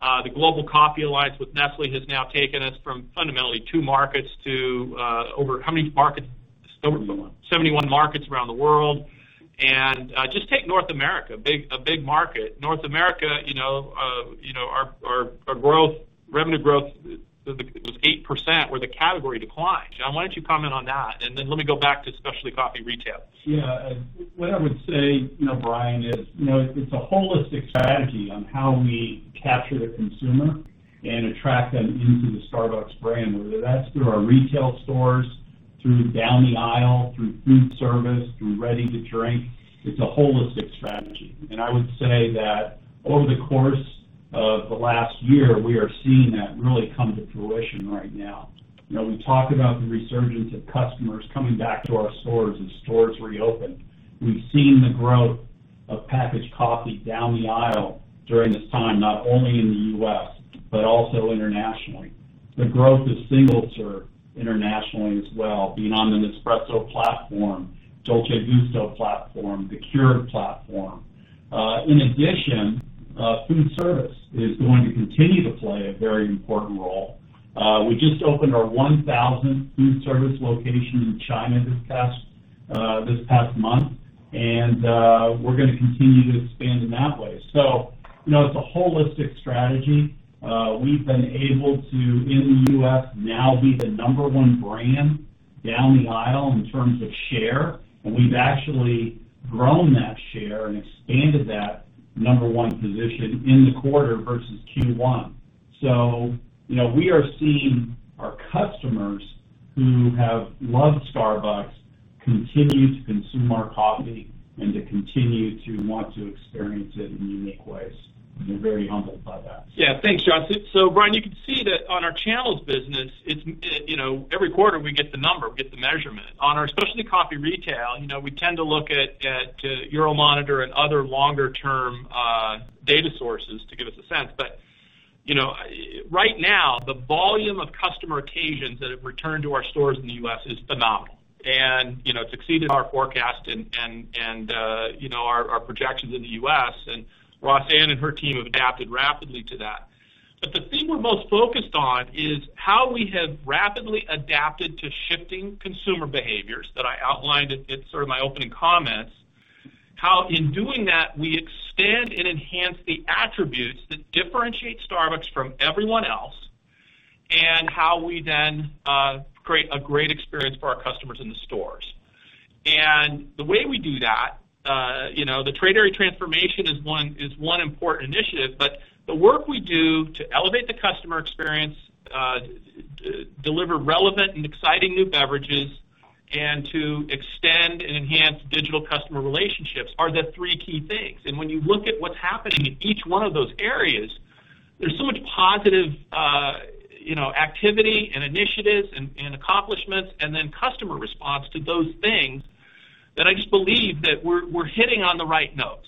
The Global Coffee Alliance with Nestlé has now taken us from fundamentally two markets to over, how many markets? 71. 71 markets around the world. Just take North America, a big market. North America, our revenue growth was 8%, where the category declined. John, why don't you comment on that, and then let me go back to specialty coffee retail. Yeah. What I would say, Brian, is it's a holistic strategy on how we capture the consumer and attract them into the Starbucks brand, whether that's through our retail stores, through down the aisle, through food service, through ready to drink. It's a holistic strategy. I would say that over the course of the last year, we are seeing that really come to fruition right now. We talk about the resurgence of customers coming back to our stores as stores reopen. We've seen the growth of packaged coffee down the aisle during this time, not only in the U.S. but also internationally. The growth of single-serve internationally as well, being on the Nespresso platform, Dolce Gusto platform, the Keurig platform. In addition, food service is going to continue to play a very important role. We just opened our 1,000th food service location in China this past month. We're going to continue to expand in that way. It's a holistic strategy. We've been able to, in the U.S. now, be the number one brand down the aisle in terms of share, and we've actually grown that share and expanded that number one position in the quarter versus Q1. We are seeing our customers who have loved Starbucks continue to consume our coffee and to continue to want to experience it in unique ways. We're very humbled by that. Thanks, John. Brian, you can see that on our channels business, every quarter we get the number, we get the measurement. On our specialty coffee retail, we tend to look at Euromonitor and other longer-term data sources to give us a sense. Right now, the volume of customer occasions that have returned to our stores in the U.S. is phenomenal, it's exceeded our forecast and our projections in the U.S. Rossann and her team have adapted rapidly to that. The thing we're most focused on is how we have rapidly adapted to shifting consumer behaviors that I outlined at sort of my opening comments. How in doing that, we extend and enhance the attributes that differentiate Starbucks from everyone else, and how we then create a great experience for our customers in the stores. The way we do that, the Trader Transformation is one important initiative, but the work we do to elevate the customer experience, deliver relevant and exciting new beverages, and to extend and enhance digital customer relationships are the three key things. When you look at what's happening in each one of those areas, there's so much positive activity and initiatives and accomplishments, and then customer response to those things, that I just believe that we're hitting on the right notes.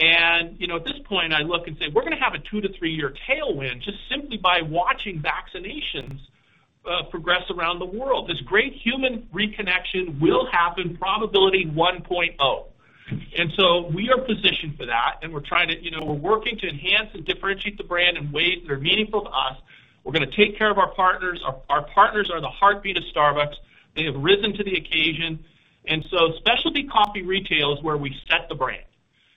At this point, I look and say, we're going to have a two to three-year tailwind just simply by watching vaccinations progress around the world. This great human reconnection will happen, probability 1.0. We are positioned for that, and we're working to enhance and differentiate the brand in ways that are meaningful to us. We're going to take care of our partners. Our partners are the heartbeat of Starbucks. They have risen to the occasion. Specialty coffee retail is where we set the brand.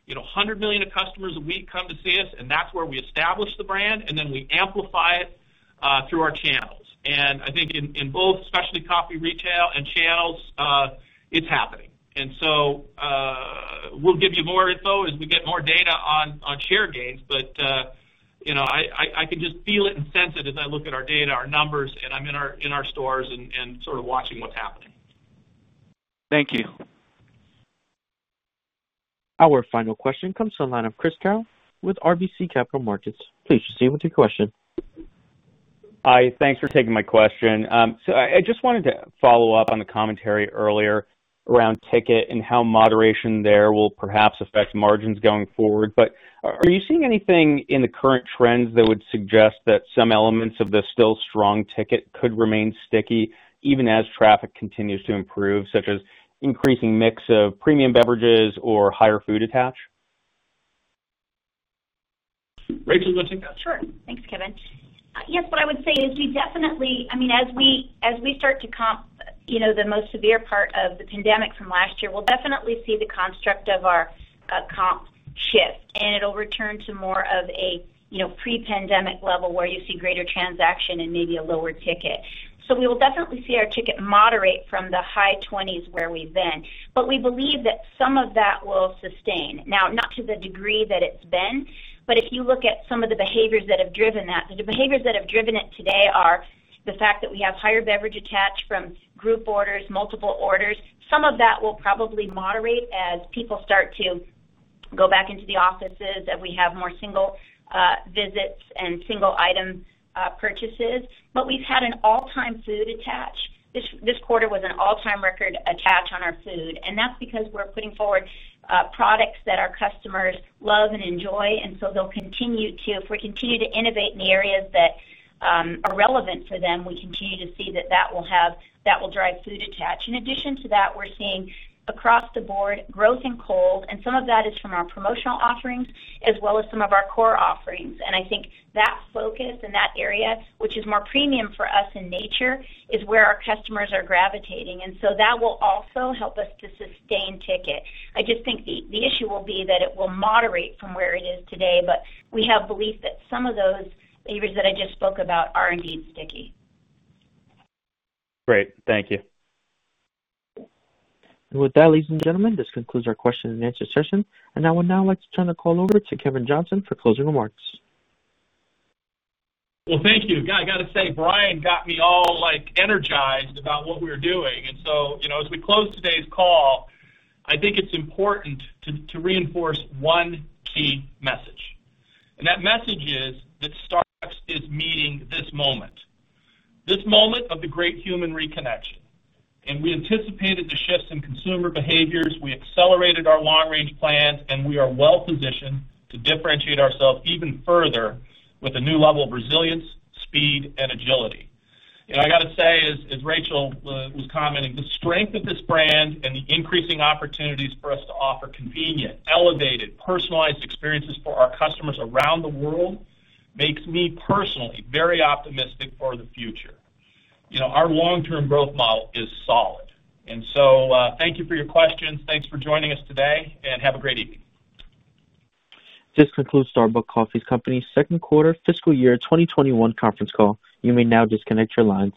100 million of customers a week come to see us, and that's where we establish the brand, and then we amplify it through our channels. I think in both specialty coffee retail and channels, it's happening. We'll give you more info as we get more data on share gains. I can just feel it and sense it as I look at our data, our numbers, and I'm in our stores and sort of watching what's happening. Thank you. Our final question comes from the line of Chris Carril with RBC Capital Markets. Please proceed with your question. Hi, thanks for taking my question. I just wanted to follow up on the commentary earlier around ticket and how moderation there will perhaps affect margins going forward. Are you seeing anything in the current trends that would suggest that some elements of the still strong ticket could remain sticky even as traffic continues to improve, such as increasing mix of premium beverages or higher food attach? Rachel, do you want to take that? Sure. Thanks, Kevin. Yes, what I would say is we definitely As we start to comp the most severe part of the pandemic from last year, we'll definitely see the construct of our comps shift, and it'll return to more of a pre-pandemic level where you see greater transaction and maybe a lower ticket. We will definitely see our ticket moderate from the high 20s where we've been. We believe that some of that will sustain. Now, not to the degree that it's been, but if you look at some of the behaviors that have driven that. The behaviors that have driven it today are the fact that we have higher beverage attach from group orders, multiple orders. Some of that will probably moderate as people start to go back into the offices, and we have more single visits and single item purchases. We've had an all-time food attach. This quarter was an all-time record attach on our food, and that's because we're putting forward products that our customers love and enjoy. If we continue to innovate in the areas that are relevant for them, we continue to see that that will drive food attach. In addition to that, we're seeing across the board growth in cold, and some of that is from our promotional offerings as well as some of our core offerings. I think that focus in that area, which is more premium for us in nature, is where our customers are gravitating. That will also help us to sustain ticket. I just think the issue will be that it will moderate from where it is today. We have belief that some of those behaviors that I just spoke about are indeed sticky. Great. Thank you. With that, ladies and gentlemen, this concludes our question and answer session. I would now like to turn the call over to Kevin Johnson for closing remarks. Well, thank you. I got to say, Brian Bittner got me all energized about what we're doing. So, as we close today's call, I think it's important to reinforce one key message. That message is that Starbucks is meeting this moment. This moment of the great human reconnection. We anticipated the shifts in consumer behaviors. We accelerated our long-range plans, and we are well-positioned to differentiate ourselves even further with a new level of resilience, speed, and agility. I got to say, as Rachel Ruggeri was commenting, the strength of this brand and the increasing opportunities for us to offer convenient, elevated, personalized experiences for our customers around the world makes me personally very optimistic for the future. Our long-term growth model is solid. So thank you for your questions. Thanks for joining us today, and have a great evening. This concludes Starbucks Coffee Company's second quarter fiscal year 2021 conference call. You may now disconnect your lines.